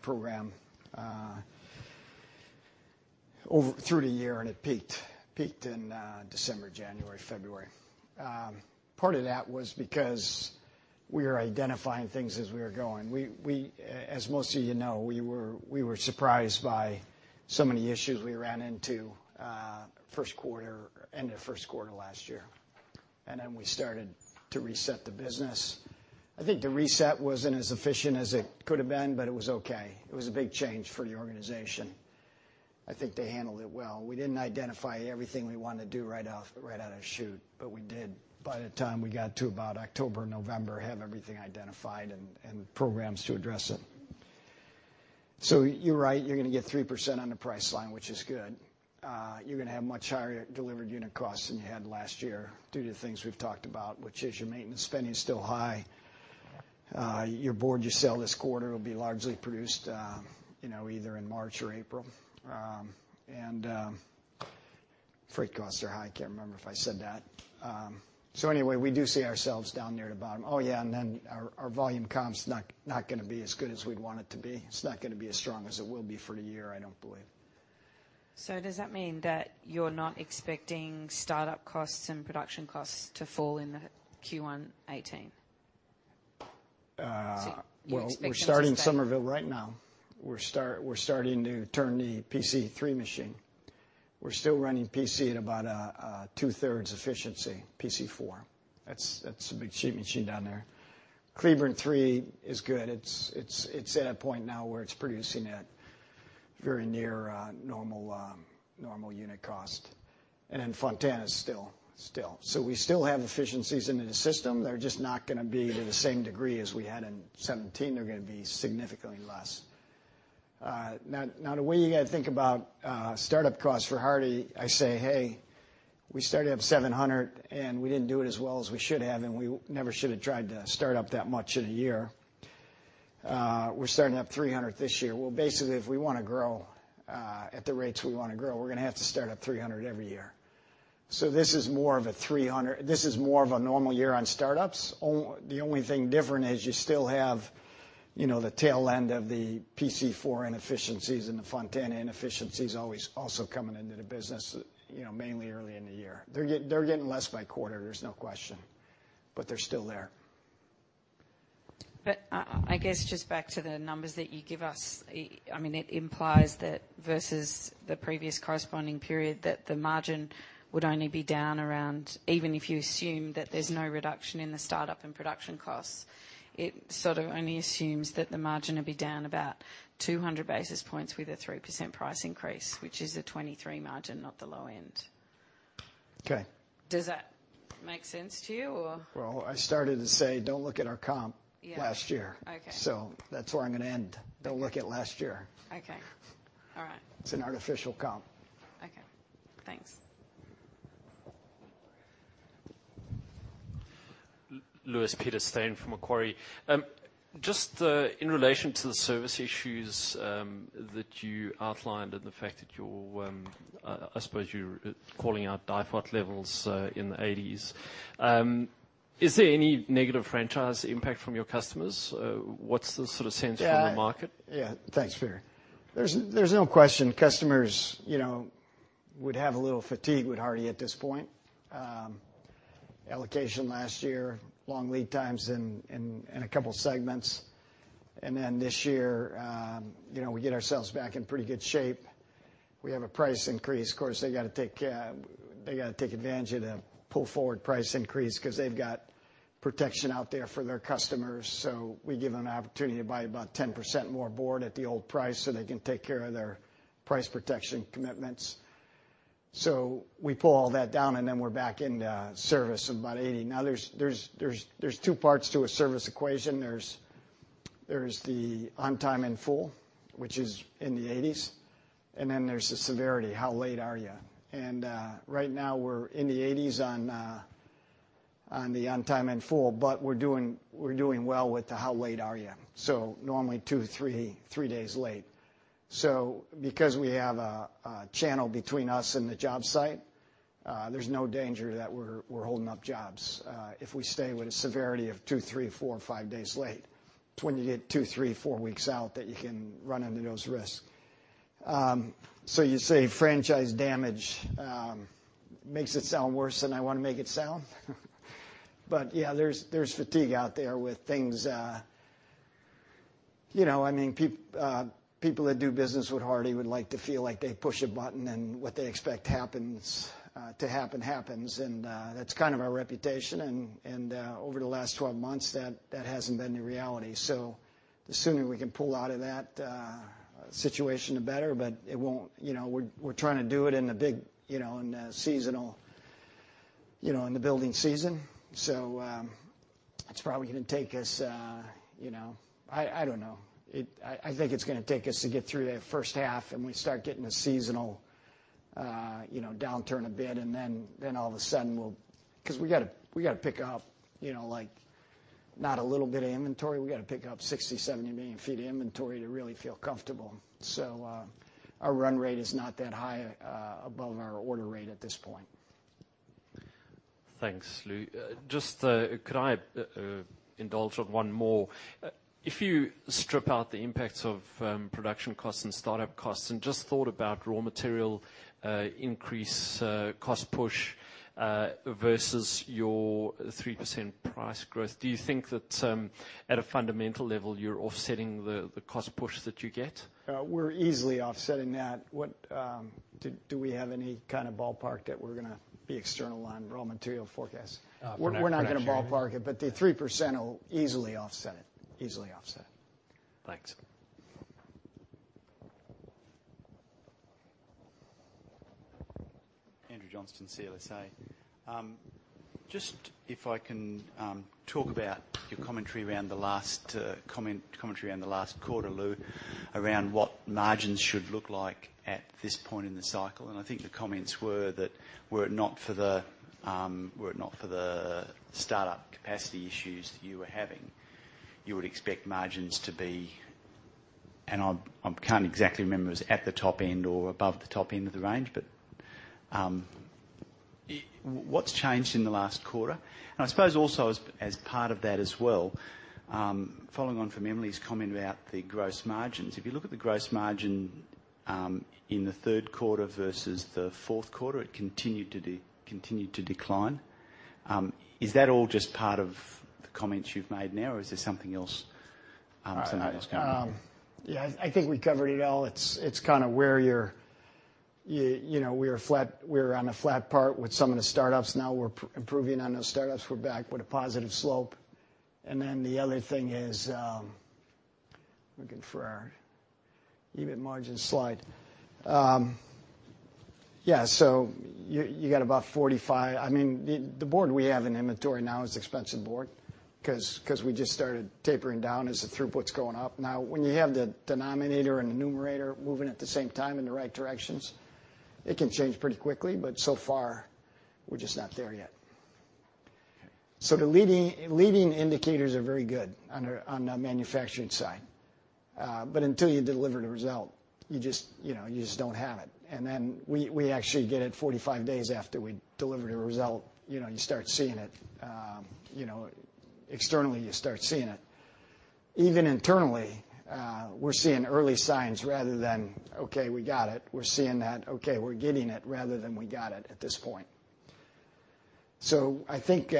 program over through the year, and it peaked in December, January, February. Part of that was because we were identifying things as we were going. We, as most of you know, we were surprised by so many issues we ran into, first quarter, end of first quarter last year, and then we started to reset the business. I think the reset wasn't as efficient as it could have been, but it was okay. It was a big change for the organization. I think they handled it well. We didn't identify everything we wanted to do right off, right out of the chute, but we did, by the time we got to about October, November, have everything identified and programs to address it. So you're right, you're gonna get 3% on the price line, which is good. You're gonna have much higher delivered unit costs than you had last year due to things we've talked about, which is your maintenance spending is still high. Your board you sell this quarter will be largely produced, you know, either in March or April, and freight costs are high. I can't remember if I said that, so anyway, we do see ourselves down there at the bottom, and then our volume comp's not gonna be as good as we'd want it to be. It's not gonna be as strong as it will be for the year, I don't believe. So does that mean that you're not expecting startup costs and production costs to fall in the Q1 2018? So you expect them to stay? We're starting Summerville right now. We're starting to turn the PC3 machine. We're still running PC4 at about a two-thirds efficiency. That's a big machine down there. Cleburne three is good. It's at a point now where it's producing at very near normal unit cost. And then Fontana is still. We still have efficiencies in the system. They're just not gonna be to the same degree as we had in 2017. They're gonna be significantly less. Now, the way you gotta think about startup costs for Hardie, I say, "Hey, we started up 700, and we didn't do it as well as we should have, and we never should have tried to start up that much in a year. We're starting up 300 this year." Basically, if we wanna grow at the rates we want to grow, we're gonna have to start up 300 every year. So this is more of a 300. This is more of a normal year on startups. The only thing different is you still have, you know, the tail end of the PC4 inefficiencies and the Fontana inefficiencies always also coming into the business, you know, mainly early in the year. They're getting less by quarter, there's no question, but they're still there. But, I guess just back to the numbers that you give us, I mean, it implies that versus the previous corresponding period, that the margin would only be down around... even if you assume that there's no reduction in the startup and production costs, it sort of only assumes that the margin will be down about 200 basis points with a 3% price increase, which is a 23% margin, not the low end. Okay. Does that make sense to you, or? Well, I started to say, don't look at our comp. Yeah. Last year. Okay. So that's where I'm gonna end. Don't look at last year. Okay. All right. It's an artificial comp. Okay, thanks. Louis Pieterse from Macquarie. Just in relation to the service issues that you outlined and the fact that you're, I suppose, calling out DIFOT levels in the 80s, is there any negative franchise impact from your customers? What's the sort of sense from the market? Yeah. Yeah. Thanks, Louis. There's no question customers, you know, would have a little fatigue with Hardie at this point. Allocation last year, long lead times in a couple segments. And then this year, you know, we get ourselves back in pretty good shape. We have a price increase. Of course, they gotta take advantage of the pull-forward price increase 'cause they've got protection out there for their customers, so we give them an opportunity to buy about 10% more board at the old price, so they can take care of their price protection commitments. So we pull all that down, and then we're back into service, about 80%. Now, there's two parts to a service equation. There's the on time and full, which is in the 80s, and then there's the severity, how late are you? And right now, we're in the 80s on the on time and full, but we're doing well with the how late are you, so normally two, three days late. So because we have a channel between us and the job site, there's no danger that we're holding up jobs if we stay with a severity of two, three, four, five days late. It's when you get two, three, four weeks out that you can run into those risks. So you say franchise damage makes it sound worse than I wanna make it sound. But yeah, there's fatigue out there with things. You know, I mean, people that do business with Hardie would like to feel like they push a button, and what they expect happens to happen, happens, and that's kind of our reputation. And over the last 12 months, that hasn't been the reality, so the sooner we can pull out of that situation, the better. But it won't. You know, we're trying to do it in the big, you know, in the seasonal, you know, in the building season. So it's probably gonna take us, you know. I don't know. I think it's gonna take us to get through the first half, and we start getting the seasonal, you know, downturn a bit, and then, then all of a sudden we'll, 'cause we gotta, we gotta pick up, you know, like, not a little bit of inventory. We gotta pick up 60-70 million feet of inventory to really feel comfortable. So, our run rate is not that high above our order rate at this point. Thanks, Lou. Just, could I indulge on one more? If you strip out the impacts of production costs and startup costs and just thought about raw material increase, cost push, versus your 3% price growth, do you think that at a fundamental level, you're offsetting the cost push that you get? We're easily offsetting that. Do we have any kind of ballpark that we're gonna be external on raw material forecast? We're not sure. We're not gonna ballpark it, but the 3% will easily offset it. Thanks. Andrew Johnston, CLSA. Just if I can talk about your commentary around the last quarter, Lou, around what margins should look like at this point in the cycle, and I think the comments were that, were it not for the startup capacity issues you were having, you would expect margins to be. I can't exactly remember, it was at the top end or above the top end of the range, but what's changed in the last quarter? I suppose also as part of that as well, following on from Emily's comment about the gross margins, if you look at the gross margin in the third quarter versus the fourth quarter, it continued to decline. Is that all just part of the comments you've made now, or is there something else that was going on? Yeah, I think we covered it all. It's kind of where you know, we are flat. We're on a flat part with some of the startups now. We're improving on those startups. We're back with a positive slope. And then the other thing is, looking for our EBIT margin slide. Yeah, so you got about 45. I mean, the board we have in inventory now is expensive board, 'cause we just started tapering down as the throughput's going up. Now, when you have the denominator and the numerator moving at the same time in the right directions, it can change pretty quickly, but so far, we're just not there yet. So the leading indicators are very good on our, on the manufacturing side. But until you deliver the result, you just, you know, you just don't have it. And then we, we actually get it 45 days after we deliver the result, you know, you start seeing it, you know, externally, you start seeing it. Even internally, we're seeing early signs rather than, "Okay, we got it." We're seeing that, "Okay, we're getting it," rather than, "We got it," at this point. So I think,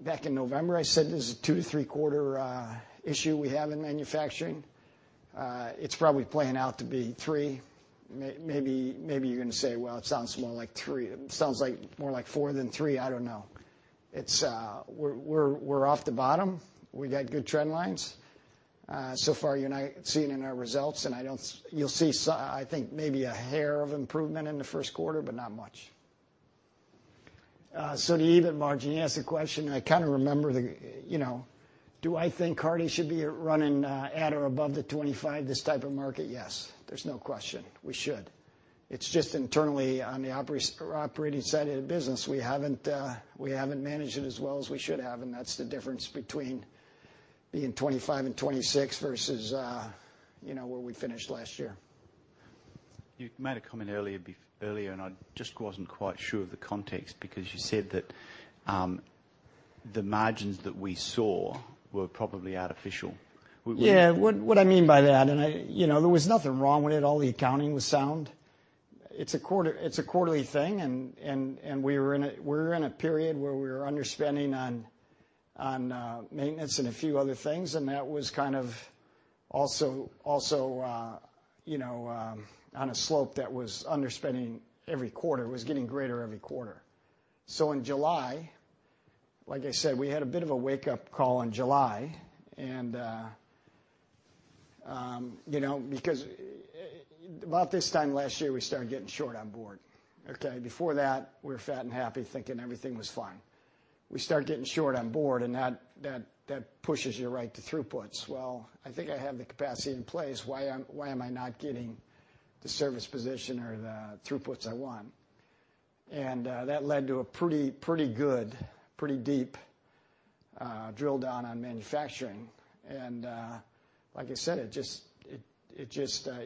back in November, I said this is a two to three-quarter issue we have in manufacturing. It's probably playing out to be three. Maybe, maybe you're gonna say, "Well, it sounds more like three. It sounds more like four than three." I don't know. It's... We're off the bottom. We got good trend lines. So far, you and I have seen it in our results, and I don't. You'll see. I think maybe a hair of improvement in the first quarter, but not much. So the EBIT margin, you asked the question, and I kind of remember the, you know, do I think Hardie should be running at or above the 25%, this type of market? Yes. There's no question. We should. It's just internally on the operating side of the business, we haven't, we haven't managed it as well as we should have, and that's the difference between being 25% and 26% versus, you know, where we finished last year. You made a comment earlier, and I just wasn't quite sure of the context, because you said that the margins that we saw were probably artificial. Yeah. What I mean by that, and I... You know, there was nothing wrong with it. All the accounting was sound. It's a quarter, it's a quarterly thing, and we were in a period where we were underspending on maintenance and a few other things, and that was kind of also on a slope that was underspending every quarter. It was getting greater every quarter. So in July, like I said, we had a bit of a wake-up call in July, and you know, because about this time last year, we started getting short on board, okay? Before that, we were fat and happy, thinking everything was fine. We started getting short on board, and that pushes you right to throughputs. I think I have the capacity in place. Why am I not getting the service position or the throughputs I want? And that led to a pretty good, pretty deep drill down on manufacturing. And like I said, it just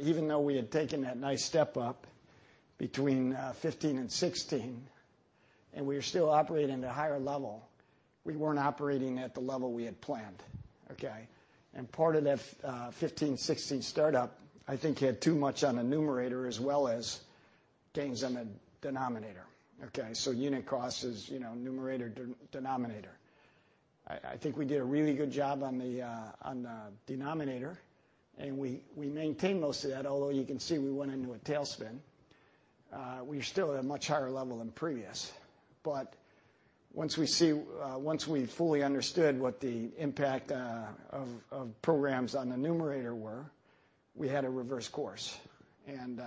even though we had taken that nice step up between 2015 and 2016, and we were still operating at a higher level, we weren't operating at the level we had planned, okay? And part of that 2015, 2016 startup, I think, had too much on the numerator as well as gains on the denominator, okay? So unit cost is, you know, numerator, denominator. I think we did a really good job on the denominator, and we maintained most of that, although you can see we went into a tailspin. We're still at a much higher level than previous, but once we fully understood what the impact of programs on the numerator were, we had to reverse course, and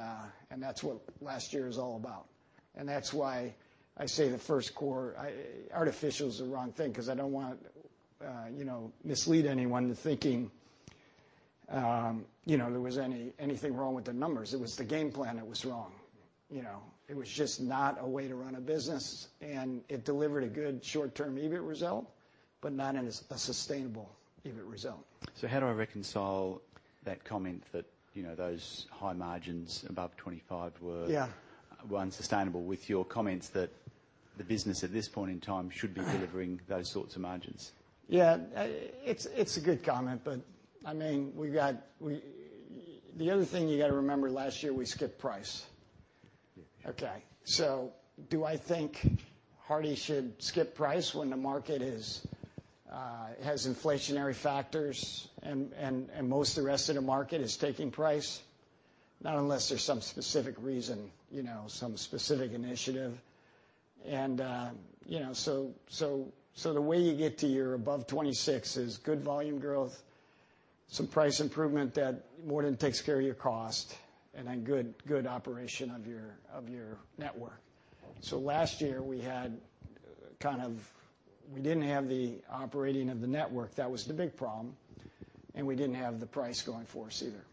that's what last year is all about. And that's why I say the first quarter—I artificial is the wrong thing, 'cause I don't want, you know, mislead anyone to thinking, you know, there was anything wrong with the numbers. It was the game plan that was wrong, you know. It was just not a way to run a business, and it delivered a good short-term EBIT result, but not in a sustainable EBIT result. How do I reconcile that comment that, you know, those high margins above 25 were. Yeah Were unsustainable with your comments that the business at this point in time should be delivering those sorts of margins? Yeah, it's a good comment, but I mean, we got the other thing you gotta remember. Last year, we skipped price. Yeah. Okay, so do I think Hardie should skip price when the market has inflationary factors and most of the rest of the market is taking price? Not unless there's some specific reason, you know, some specific initiative. And you know, so the way you get to your above 26 is good volume growth, some price improvement that more than takes care of your cost, and then good operation of your network. So last year we had, kind of. We didn't have the operating of the network. That was the big problem, and we didn't have the price going for us either.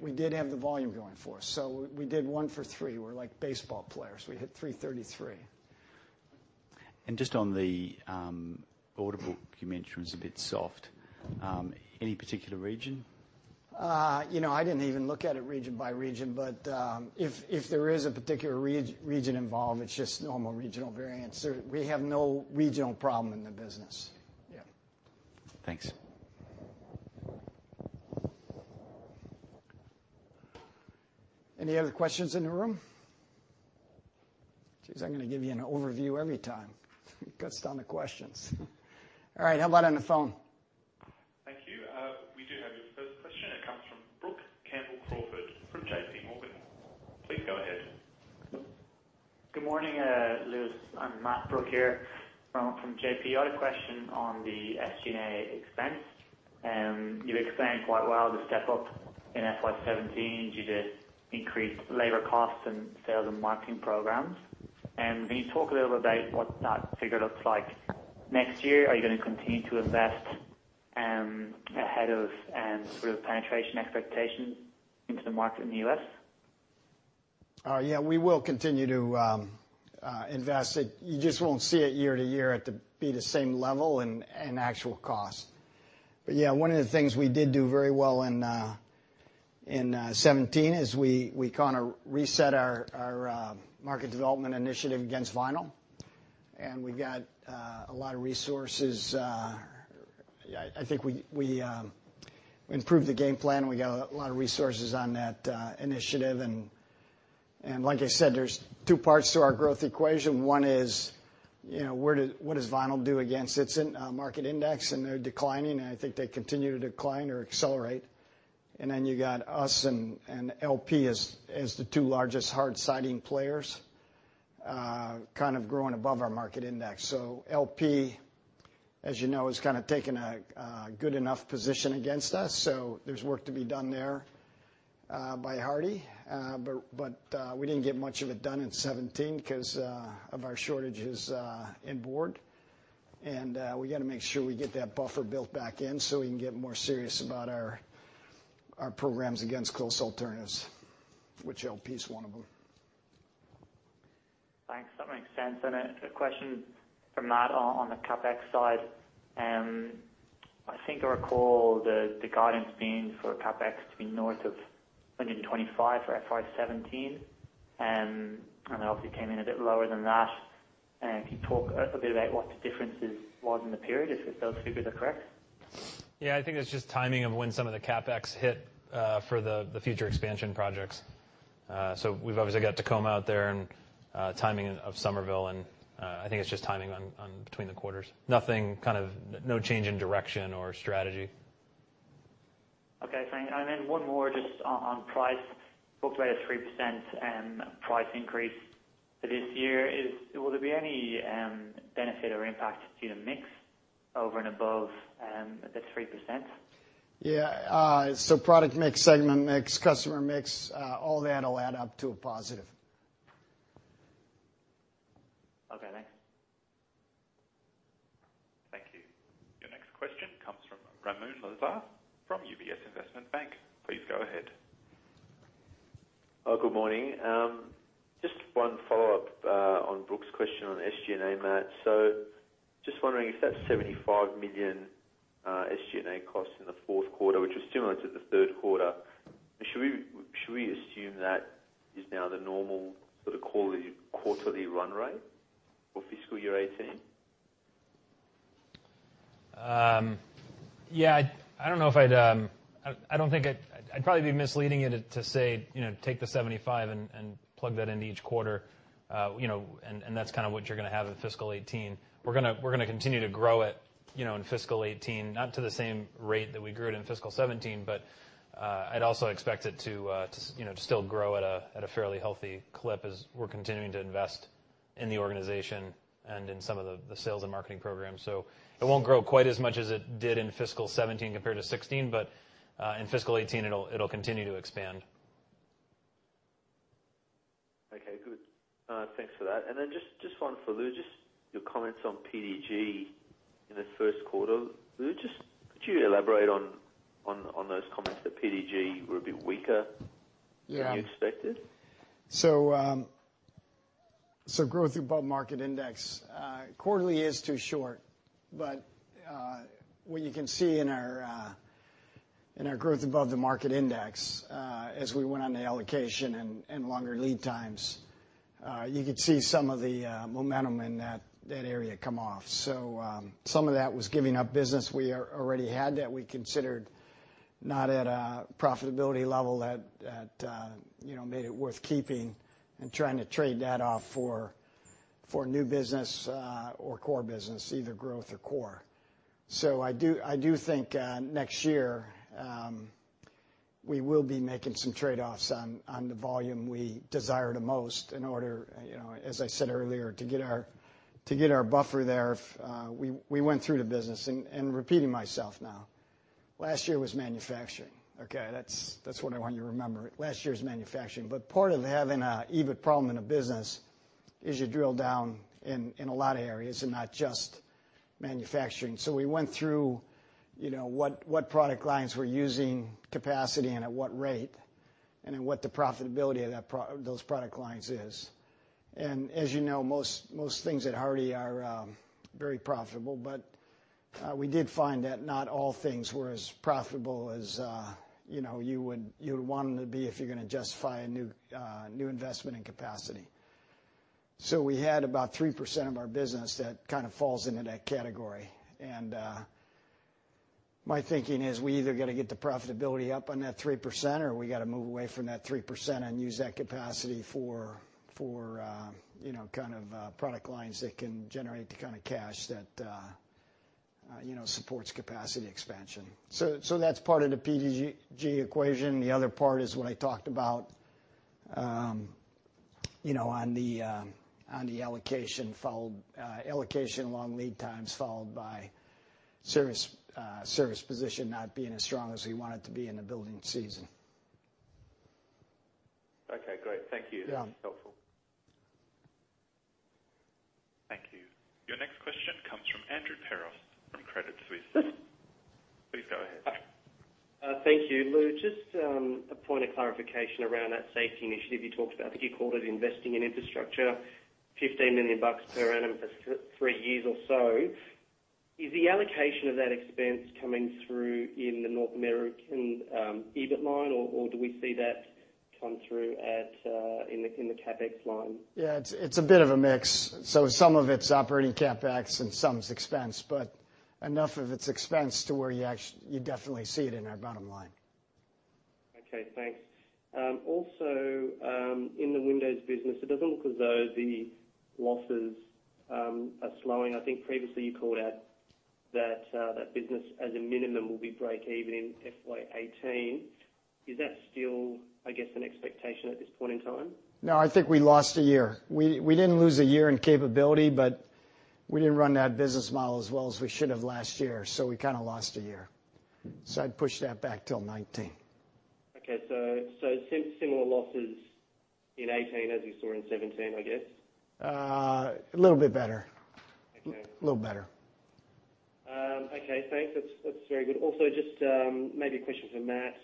We did have the volume going for us, so we did one for three. We're like baseball players. We hit 333. And just on the order book, you mentioned was a bit soft, any particular region? You know, I didn't even look at it region by region, but if there is a particular region involved, it's just normal regional variance. So we have no regional problem in the business. Yeah. Thanks. Any other questions in the room? Geez, I'm gonna give you an overview every time. Got so many questions. All right, how about on the phone? Thank you. We do have your first question. It comes from Brook Campbell-Crawford from JP Morgan. Please go ahead. Good morning, Louis. I'm Brook Campbell-Crawford here from JP. I had a question on the SG&A expense. You've explained quite well the step up in FY 2017 due to increased labor costs and sales and marketing programs. Can you talk a little bit about what that figure looks like next year? Are you gonna continue to invest ahead of sort of penetration expectations into the market in the U.S.? Yeah, we will continue to invest. You just won't see it year to year at the same level in actual cost. But yeah, one of the things we did do very well in 2017 is we kind of reset our market development initiative against vinyl, and we got a lot of resources. I think we improved the game plan. We got a lot of resources on that initiative, and like I said, there's two parts to our growth equation. One is, you know, what does vinyl do against its own market index, and they're declining, and I think they continue to decline or accelerate. And then you got us and LP as the two largest hard siding players kind of growing above our market index. So LP, as you know, has kind of taken a good enough position against us, so there's work to be done there by Hardie. But we didn't get much of it done in 2017 'cause of our shortages in board. And we got to make sure we get that buffer built back in, so we can get more serious about our programs against close alternatives, which LP is one of them. Thanks. That makes sense, and a question from Matt on the CapEx side. I think I recall the guidance being for CapEx to be north of 2025 for FY 2017, and that obviously came in a bit lower than that. Can you talk a little bit about what the differences was in the period, if those figures are correct? Yeah, I think it's just timing of when some of the CapEx hit for the future expansion projects. So we've obviously got Tacoma out there and timing of Summerville, and I think it's just timing on between the quarters. Nothing kind of no change in direction or strategy. Okay, thanks. And then one more just on price. You talked about a 3% price increase for this year. Will there be any benefit or impact to the mix over and above the 3%? Yeah. So product mix, segment mix, customer mix, all that'll add up to a positive. Okay, thanks. Thank you. Your next question comes from Ramon Lazaro from UBS Investment Bank. Please go ahead. Good morning. Just one follow-up on Brook's question on SG&A, Matt. So just wondering if that $75 million SG&A costs in the fourth quarter, which was similar to the third quarter, should we assume that is now the normal sort of quarterly run rate for fiscal year 2018? Yeah, I don't know if I'd. I don't think I'd. I'd probably be misleading you to say, you know, take the 75 and plug that into each quarter, you know, and that's kind of what you're gonna have in fiscal 2018. We're gonna continue to grow it, you know, in fiscal 2018, not to the same rate that we grew it in fiscal 2017, but I'd also expect it to, you know, to still grow at a fairly healthy clip as we're continuing to invest in the organization and in some of the sales and marketing programs. So it won't grow quite as much as it did in fiscal 2017 compared to 2016, but in fiscal 2018, it'll continue to expand. Okay, good. Thanks for that. And then just one for Lou, just your comments on PDG in the first quarter. Lou, just could you elaborate on those comments that PDG were a bit weaker? Yeah. Than you expected? Growth above market index quarterly is too short, but what you can see in our growth above the market index, as we went on the allocation and longer lead times, you could see some of the momentum in that area come off. Some of that was giving up business we already had that we considered not at a profitability level that you know made it worth keeping and trying to trade that off for new business or core business, either growth or core. So I do think next year we will be making some trade-offs on the volume we desire the most in order, you know, as I said earlier, to get our buffer there. We went through the business, and repeating myself now, last year was manufacturing, okay? That's what I want you to remember. Last year's manufacturing. But part of having a EBIT problem in a business is you drill down in a lot of areas and not just manufacturing. So we went through, you know, what product lines were using capacity and at what rate, and then what the profitability of that those product lines is. And as you know, most things at Hardie are very profitable, but we did find that not all things were as profitable as you know, you would want them to be if you're gonna justify a new investment in capacity. So we had about 3% of our business that kind of falls into that category. My thinking is we either got to get the profitability up on that 3% or we got to move away from that 3% and use that capacity for you know kind of product lines that can generate the kind of cash that you know supports capacity expansion. So that's part of the PDG equation. The other part is what I talked about you know on the allocation, followed by long lead times, followed by service position not being as strong as we want it to be in the building season. Okay, great. Thank you. Yeah. That's helpful. Thank you. Your next question comes from Andrew Peros from Credit Suisse. Please go ahead. Thank you. Lou, just a point of clarification around that safety initiative you talked about. I think you called it investing in infrastructure, $15 million per annum for three years or so. Is the allocation of that expense coming through in the North American EBIT line, or do we see that come through in the CapEx line? Yeah, it's a bit of a mix. So some of it's operating CapEx and some is expense, but enough of it's expense to where you definitely see it in our bottom line. Okay, thanks. Also, in the windows business, it doesn't look as though the losses are slowing. I think previously you called out that that business, as a minimum, will be break even in FY 2018. Is that still, I guess, an expectation at this point in time? No, I think we lost a year. We didn't lose a year in capability, but we didn't run that business model as well as we should have last year, so we kind of lost a year. So I'd push that back till 2019. Okay. Similar losses in 2018 as you saw in 2017, I guess? A little bit better. Okay. Little better. Okay, thanks. That's very good. Also, just maybe a question for Matt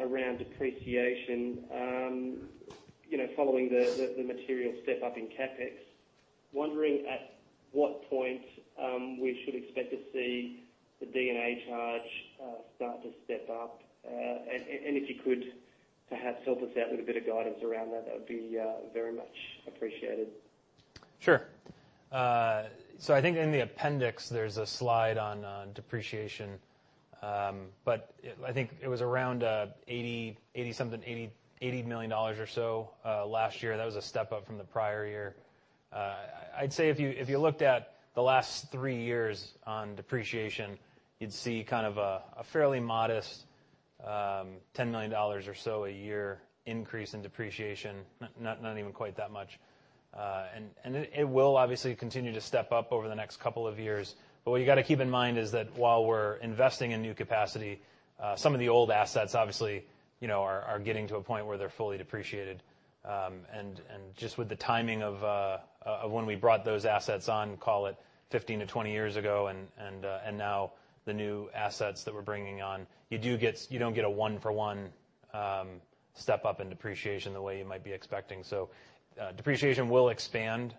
around depreciation. You know, following the material step-up in CapEx, wondering at what point we should expect to see the D&A charge start to step up? And if you could perhaps help us out with a bit of guidance around that, that would be very much appreciated. Sure. So I think in the appendix, there's a slide on depreciation. But it, I think it was around $80 something million or so last year. That was a step up from the prior year. I'd say if you looked at the last three years on depreciation, you'd see kind of a fairly modest $10 million or so a year increase in depreciation. Not even quite that much. And it will obviously continue to step up over the next couple of years. But what you gotta keep in mind is that while we're investing in new capacity, some of the old assets, obviously, you know, are getting to a point where they're fully depreciated. Just with the timing of when we brought those assets on, call it 15-20 years ago, and now the new assets that we're bringing on, you do get... You don't get a one-for-one step up in depreciation the way you might be expecting. So, depreciation will expand.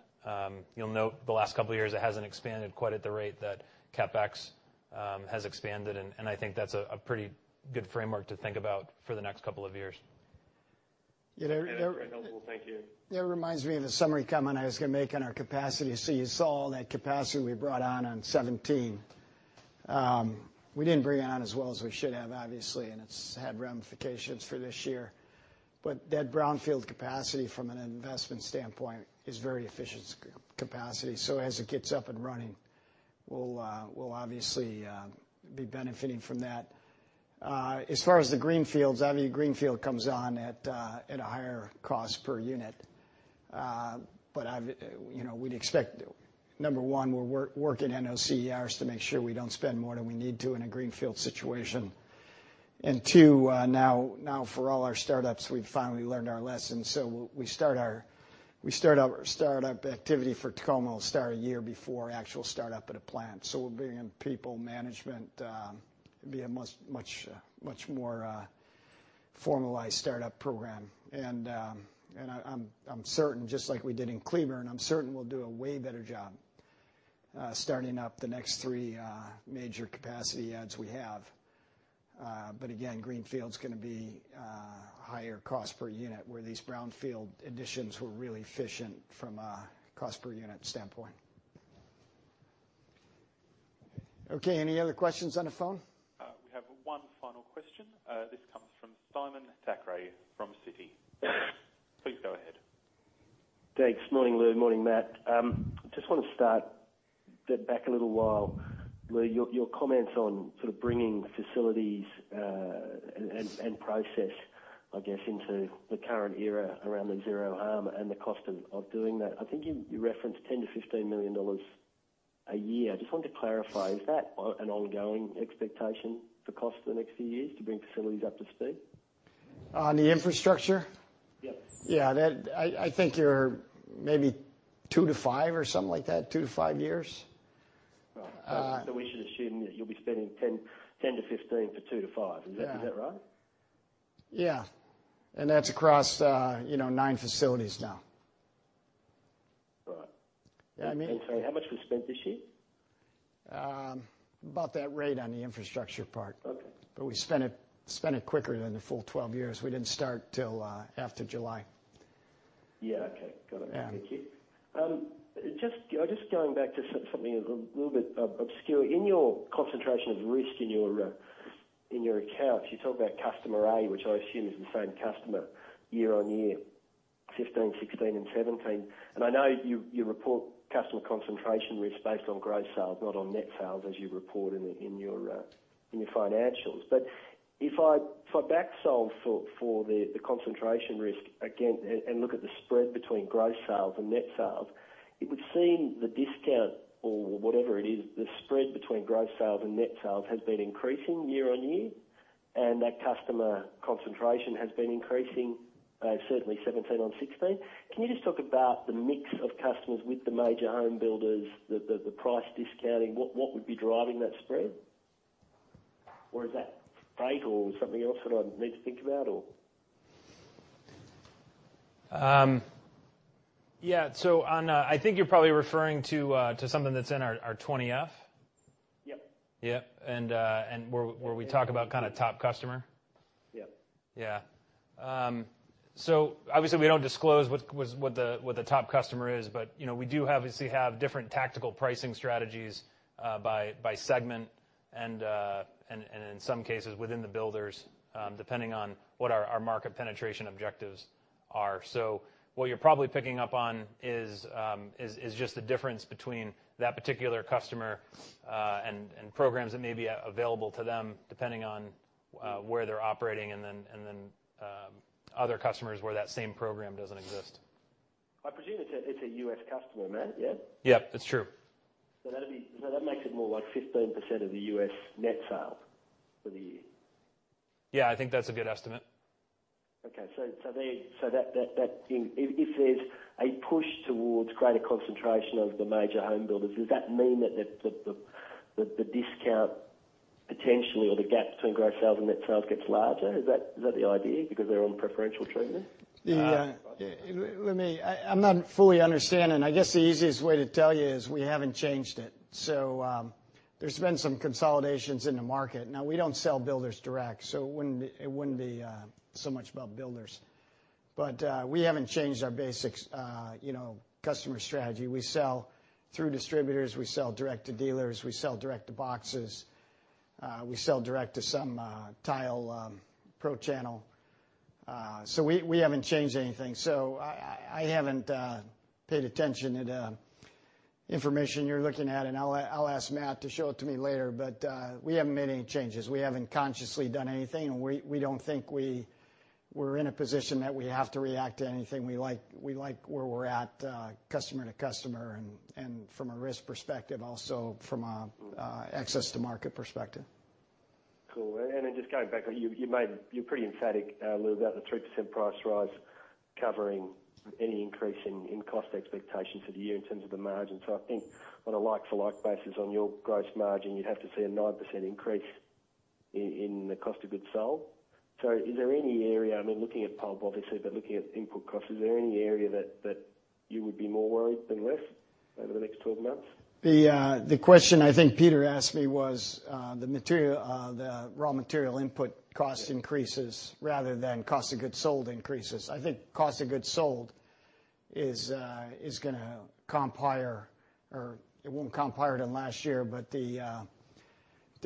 You'll note the last couple of years, it hasn't expanded quite at the rate that CapEx has expanded, and I think that's a pretty good framework to think about for the next couple of years. You know, there. That's very helpful. Thank you. It reminds me of the summary comment I was gonna make on our capacity. So you saw all that capacity we brought on, on 2017. We didn't bring it on as well as we should have, obviously, and it's had ramifications for this year. But that brownfield capacity from an investment standpoint is very efficient capacity. So as it gets up and running, we'll obviously be benefiting from that. As far as the greenfields, obviously, greenfield comes on at a higher cost per unit. But you know, we'd expect, number one, we're working NCRs to make sure we don't spend more than we need to in a greenfield situation. And two, now for all our startups, we've finally learned our lesson, so we start our startup activity for Tacoma a year before actual startup at a plant. So we'll bring in people management. It'd be a much more formalized startup program. And I am certain, just like we did in Cleburne, I'm certain we'll do a way better job starting up the next three major capacity adds we have. But again, greenfield's gonna be higher cost per unit, where these brownfield additions were really efficient from a cost-per-unit standpoint. Okay, any other questions on the phone? We have one final question. This comes from Simon Thackray from Citi. Please go ahead. Thanks. Morning, Lou. Morning, Matt. Just want to start back a little while. Lou, your comments on sort of bringing facilities and process, I guess, into the current era around the Zero Harm and the cost of doing that. I think you referenced $10 million-$15 million a year. I just wanted to clarify, is that an ongoing expectation for cost for the next few years to bring facilities up to speed? On the infrastructure? Yes. Yeah, that I think you're maybe two to five or something like that, two to five years. Right, so we should assume that you'll be spending 10, 10-15 for 2-5. Yeah. Is that, is that right? Yeah. And that's across, you know, nine facilities now. Right. Yeah, I mean? How much was spent this year? About that rate on the infrastructure part. Okay. But we spent it, spent it quicker than the full twelve years. We didn't start till, after July. Yeah. Okay, got it. Yeah. Thank you. Just going back to something a little bit obscure. In your concentration of risk in your accounts, you talk about customer A, which I assume is the same customer year-on-year, 2015, 2016, and 2017. And I know you report customer concentration risks based on gross sales, not on net sales, as you report in your financials. But if I back solve for the concentration risk again, and look at the spread between gross sales and net sales, it would seem the discount or whatever it is, the spread between gross sales and net sales has been increasing year on year, and that customer concentration has been increasing, certainly 2017 on 2016. Can you just talk about the mix of customers with the major home builders, the price discounting? What would be driving that spread? Or is that fake or something else that I need to think about, or...? Yeah. So on, I think you're probably referring to something that's in our 20-F? Yep. Yep, and where we talk about kind of top customer? Yep. Yeah, so obviously, we don't disclose what the top customer is, but, you know, we do have, obviously, different tactical pricing strategies by segment and in some cases within the builders, depending on what our market penetration objectives are. So what you're probably picking up on is just the difference between that particular customer and programs that may be available to them, depending on where they're operating, and then other customers where that same program doesn't exist. I presume it's a U.S. customer, Matt, yeah? Yep, that's true. So that makes it more like 15% of the U.S. net sales for the year. Yeah, I think that's a good estimate. Okay. So, if there's a push towards greater concentration of the major home builders, does that mean that the discount potentially, or the gap between gross sales and net sales gets larger? Is that the idea, because they're on preferential treatment? Yeah. Uh. Let me. I'm not fully understanding. I guess the easiest way to tell you is we haven't changed it, so. There's been some consolidations in the market. Now, we don't sell builders direct, so it wouldn't be so much about builders. But we haven't changed our basic, you know, customer strategy. We sell through distributors, we sell direct to dealers, we sell direct to boxes, we sell direct to the pro channel. So we haven't changed anything. So I haven't paid attention to the information you're looking at, and I'll ask Matt to show it to me later. But we haven't made any changes. We haven't consciously done anything, and we don't think we're in a position that we have to react to anything. We like, we like where we're at, customer to customer and, and from a risk perspective, also from a access to market perspective. Cool. And then just going back, you made, you're pretty emphatic, Lou, about the 3% price rise covering any increase in cost expectations for the year in terms of the margin. So I think on a like-for-like basis, on your gross margin, you'd have to see a 9% increase in the cost of goods sold. So is there any area, I mean, looking at pulp, obviously, but looking at input costs, is there any area that you would be more worried than less over the next 12 months? The, the question I think Peter asked me was, the material, the raw material input cost increases rather than cost of goods sold increases. I think cost of goods sold is gonna comp higher, or it won't comp higher than last year, but the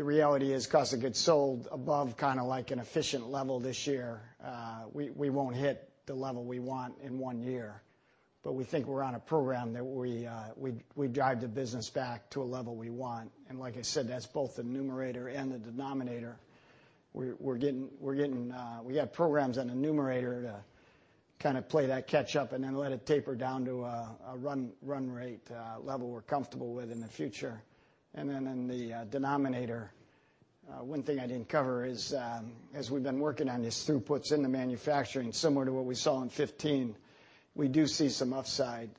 reality is cost of goods sold above kind of like an efficient level this year, we won't hit the level we want in one year. But we think we're on a program that we drive the business back to a level we want. And like I said, that's both the numerator and the denominator. We're getting, we got programs on the numerator to kind of play that catch up and then let it taper down to a run rate level we're comfortable with in the future. And then in the denominator, one thing I didn't cover is, as we've been working on these throughputs in the manufacturing, similar to what we saw in 2015, we do see some upside,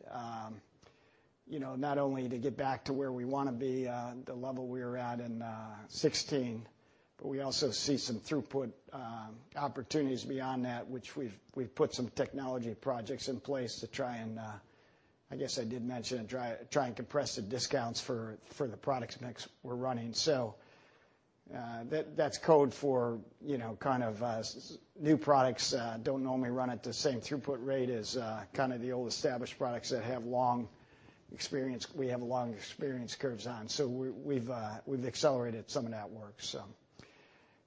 you know, not only to get back to where we wanna be, the level we were at in 2016, but we also see some throughput opportunities beyond that, which we've put some technology projects in place to try and, I guess I did mention it, try and compress the downtimes for the product mix we're running. So, that, that's code for, you know, kind of, new products don't normally run at the same throughput rate as kind of the old established products that have long experience curves on. So we've accelerated some of that work. So,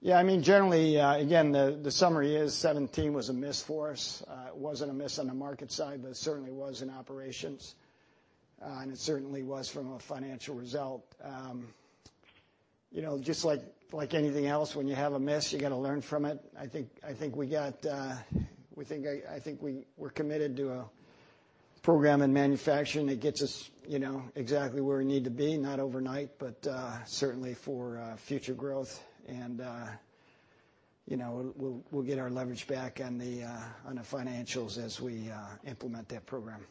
yeah, I mean, generally, again, the summary in 2017 was a miss for us. It wasn't a miss on the market side, but it certainly was in operations, and it certainly was from a financial result. You know, just like anything else, when you have a miss, you got to learn from it. I think we're committed to a program in manufacturing that gets us, you know, exactly where we need to be, not overnight, but certainly for future growth. You know, we'll get our leverage back on the financials as we implement that program.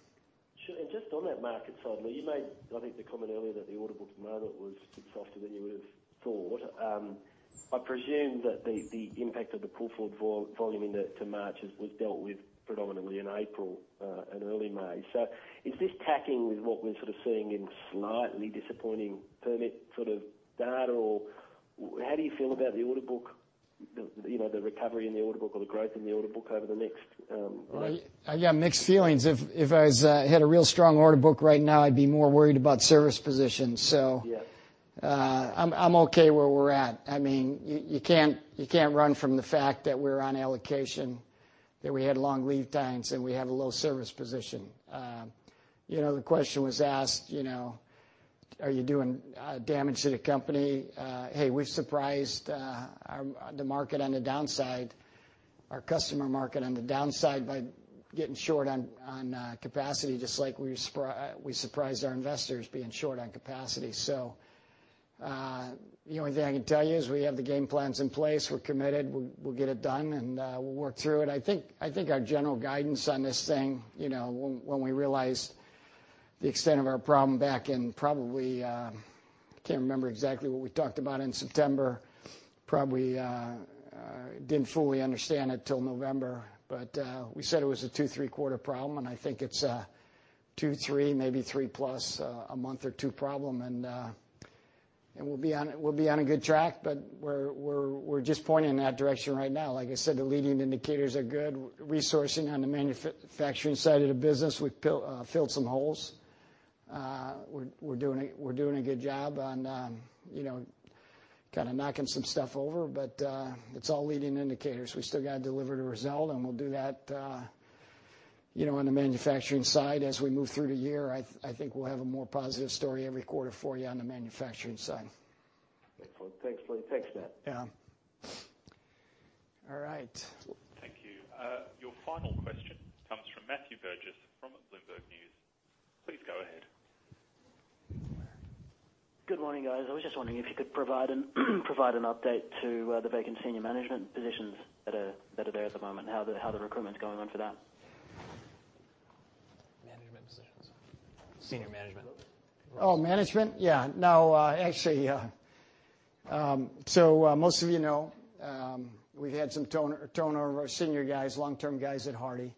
Sure. And just on that market side, Lou, you made, I think, the comment earlier that the order book at the moment was softer than you would have thought. I presume that the impact of the pull forward volume into March was dealt with predominantly in April, and early May. So is this tracking with what we're sort of seeing in slightly disappointing permit sort of data? Or how do you feel about the order book, you know, the recovery in the order book or the growth in the order book over the next months? I got mixed feelings. If I had a real strong order book right now, I'd be more worried about service positions. Yeah. So, I'm okay where we're at. I mean, you can't run from the fact that we're on allocation, that we had long lead times, and we have a low service position. You know, the question was asked, you know, are you doing damage to the company? Hey, we've surprised the market on the downside, our customer market on the downside by getting short on capacity, just like we surprised our investors being short on capacity. So, the only thing I can tell you is we have the game plans in place. We're committed, we'll get it done, and we'll work through it. I think our general guidance on this thing, you know, when we realized the extent of our problem back in probably, I can't remember exactly what we talked about in September, probably, didn't fully understand it till November, but we said it was a two, three-quarter problem, and I think it's a two, three, maybe three plus, a month or two problem. And we'll be on a good track, but we're just pointing in that direction right now. Like I said, the leading indicators are good. Resourcing on the manufacturing side of the business, we've built, filled some holes. We're doing a good job on, you know, kind of knocking some stuff over, but it's all leading indicators. We still got to deliver the result, and we'll do that, you know, on the manufacturing side. As we move through the year, I think we'll have a more positive story every quarter for you on the manufacturing side. Excellent. Thanks, Lou. Thanks, Matt. Yeah. All right. Thank you. Your final question comes from Matthew Burgess, from Bloomberg News. Please go ahead. Good morning, guys. I was just wondering if you could provide an update to the vacant senior management positions that are there at the moment, how the recruitment is going on for that? Management positions. Senior management. Oh, management? Yeah. No, actually. So, most of you know, we've had some turnover of senior guys, long-term guys at Hardie,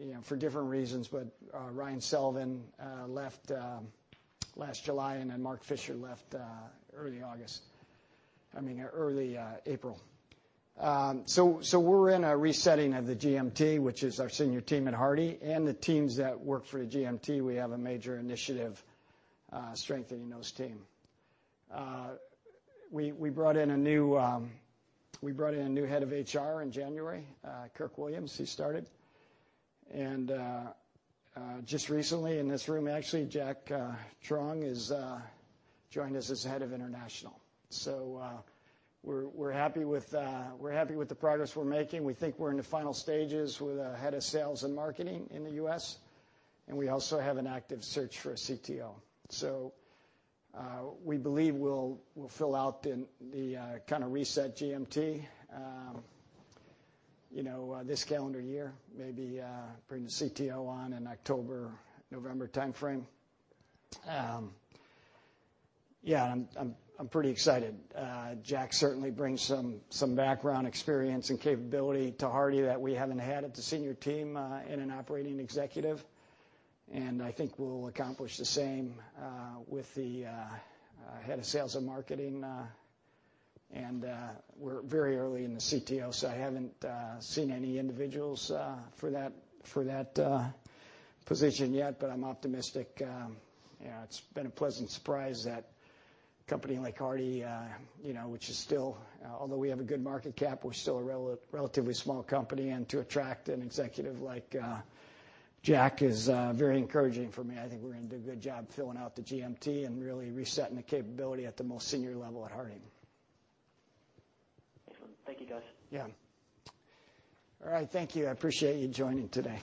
you know, for different reasons. But, Ryan Sullivan left last July, and then Mark Fisher left early August, I mean, early April. So, we're in a resetting of the GMT, which is our senior team at Hardie and the teams that work for the GMT. We have a major initiative strengthening those team. We brought in a new head of HR in January, Kirk Williams, he started. And, just recently, in this room, actually, Jack Truong has joined us as the Head of International. So, we're happy with the progress we're making. We think we're in the final stages with a head of sales and marketing in the U.S., and we also have an active search for a CTO. So, we believe we'll fill out the kind of reset GMT, you know, this calendar year, maybe bring the CTO on in October, November timeframe. Yeah, I'm pretty excited. Jack certainly brings some background experience and capability to Hardie that we haven't had at the senior team in an operating executive, and I think we'll accomplish the same with the head of sales and marketing. And, we're very early in the CTO, so I haven't seen any individuals for that position yet, but I'm optimistic. Yeah, it's been a pleasant surprise that a company like Hardie, you know, which is still, although we have a good market cap, we're still a relatively small company, and to attract an executive like Jack is very encouraging for me. I think we're gonna do a good job filling out the GMT and really resetting the capability at the most senior level at Hardie. Excellent. Thank you, guys. Yeah. All right, thank you. I appreciate you joining today.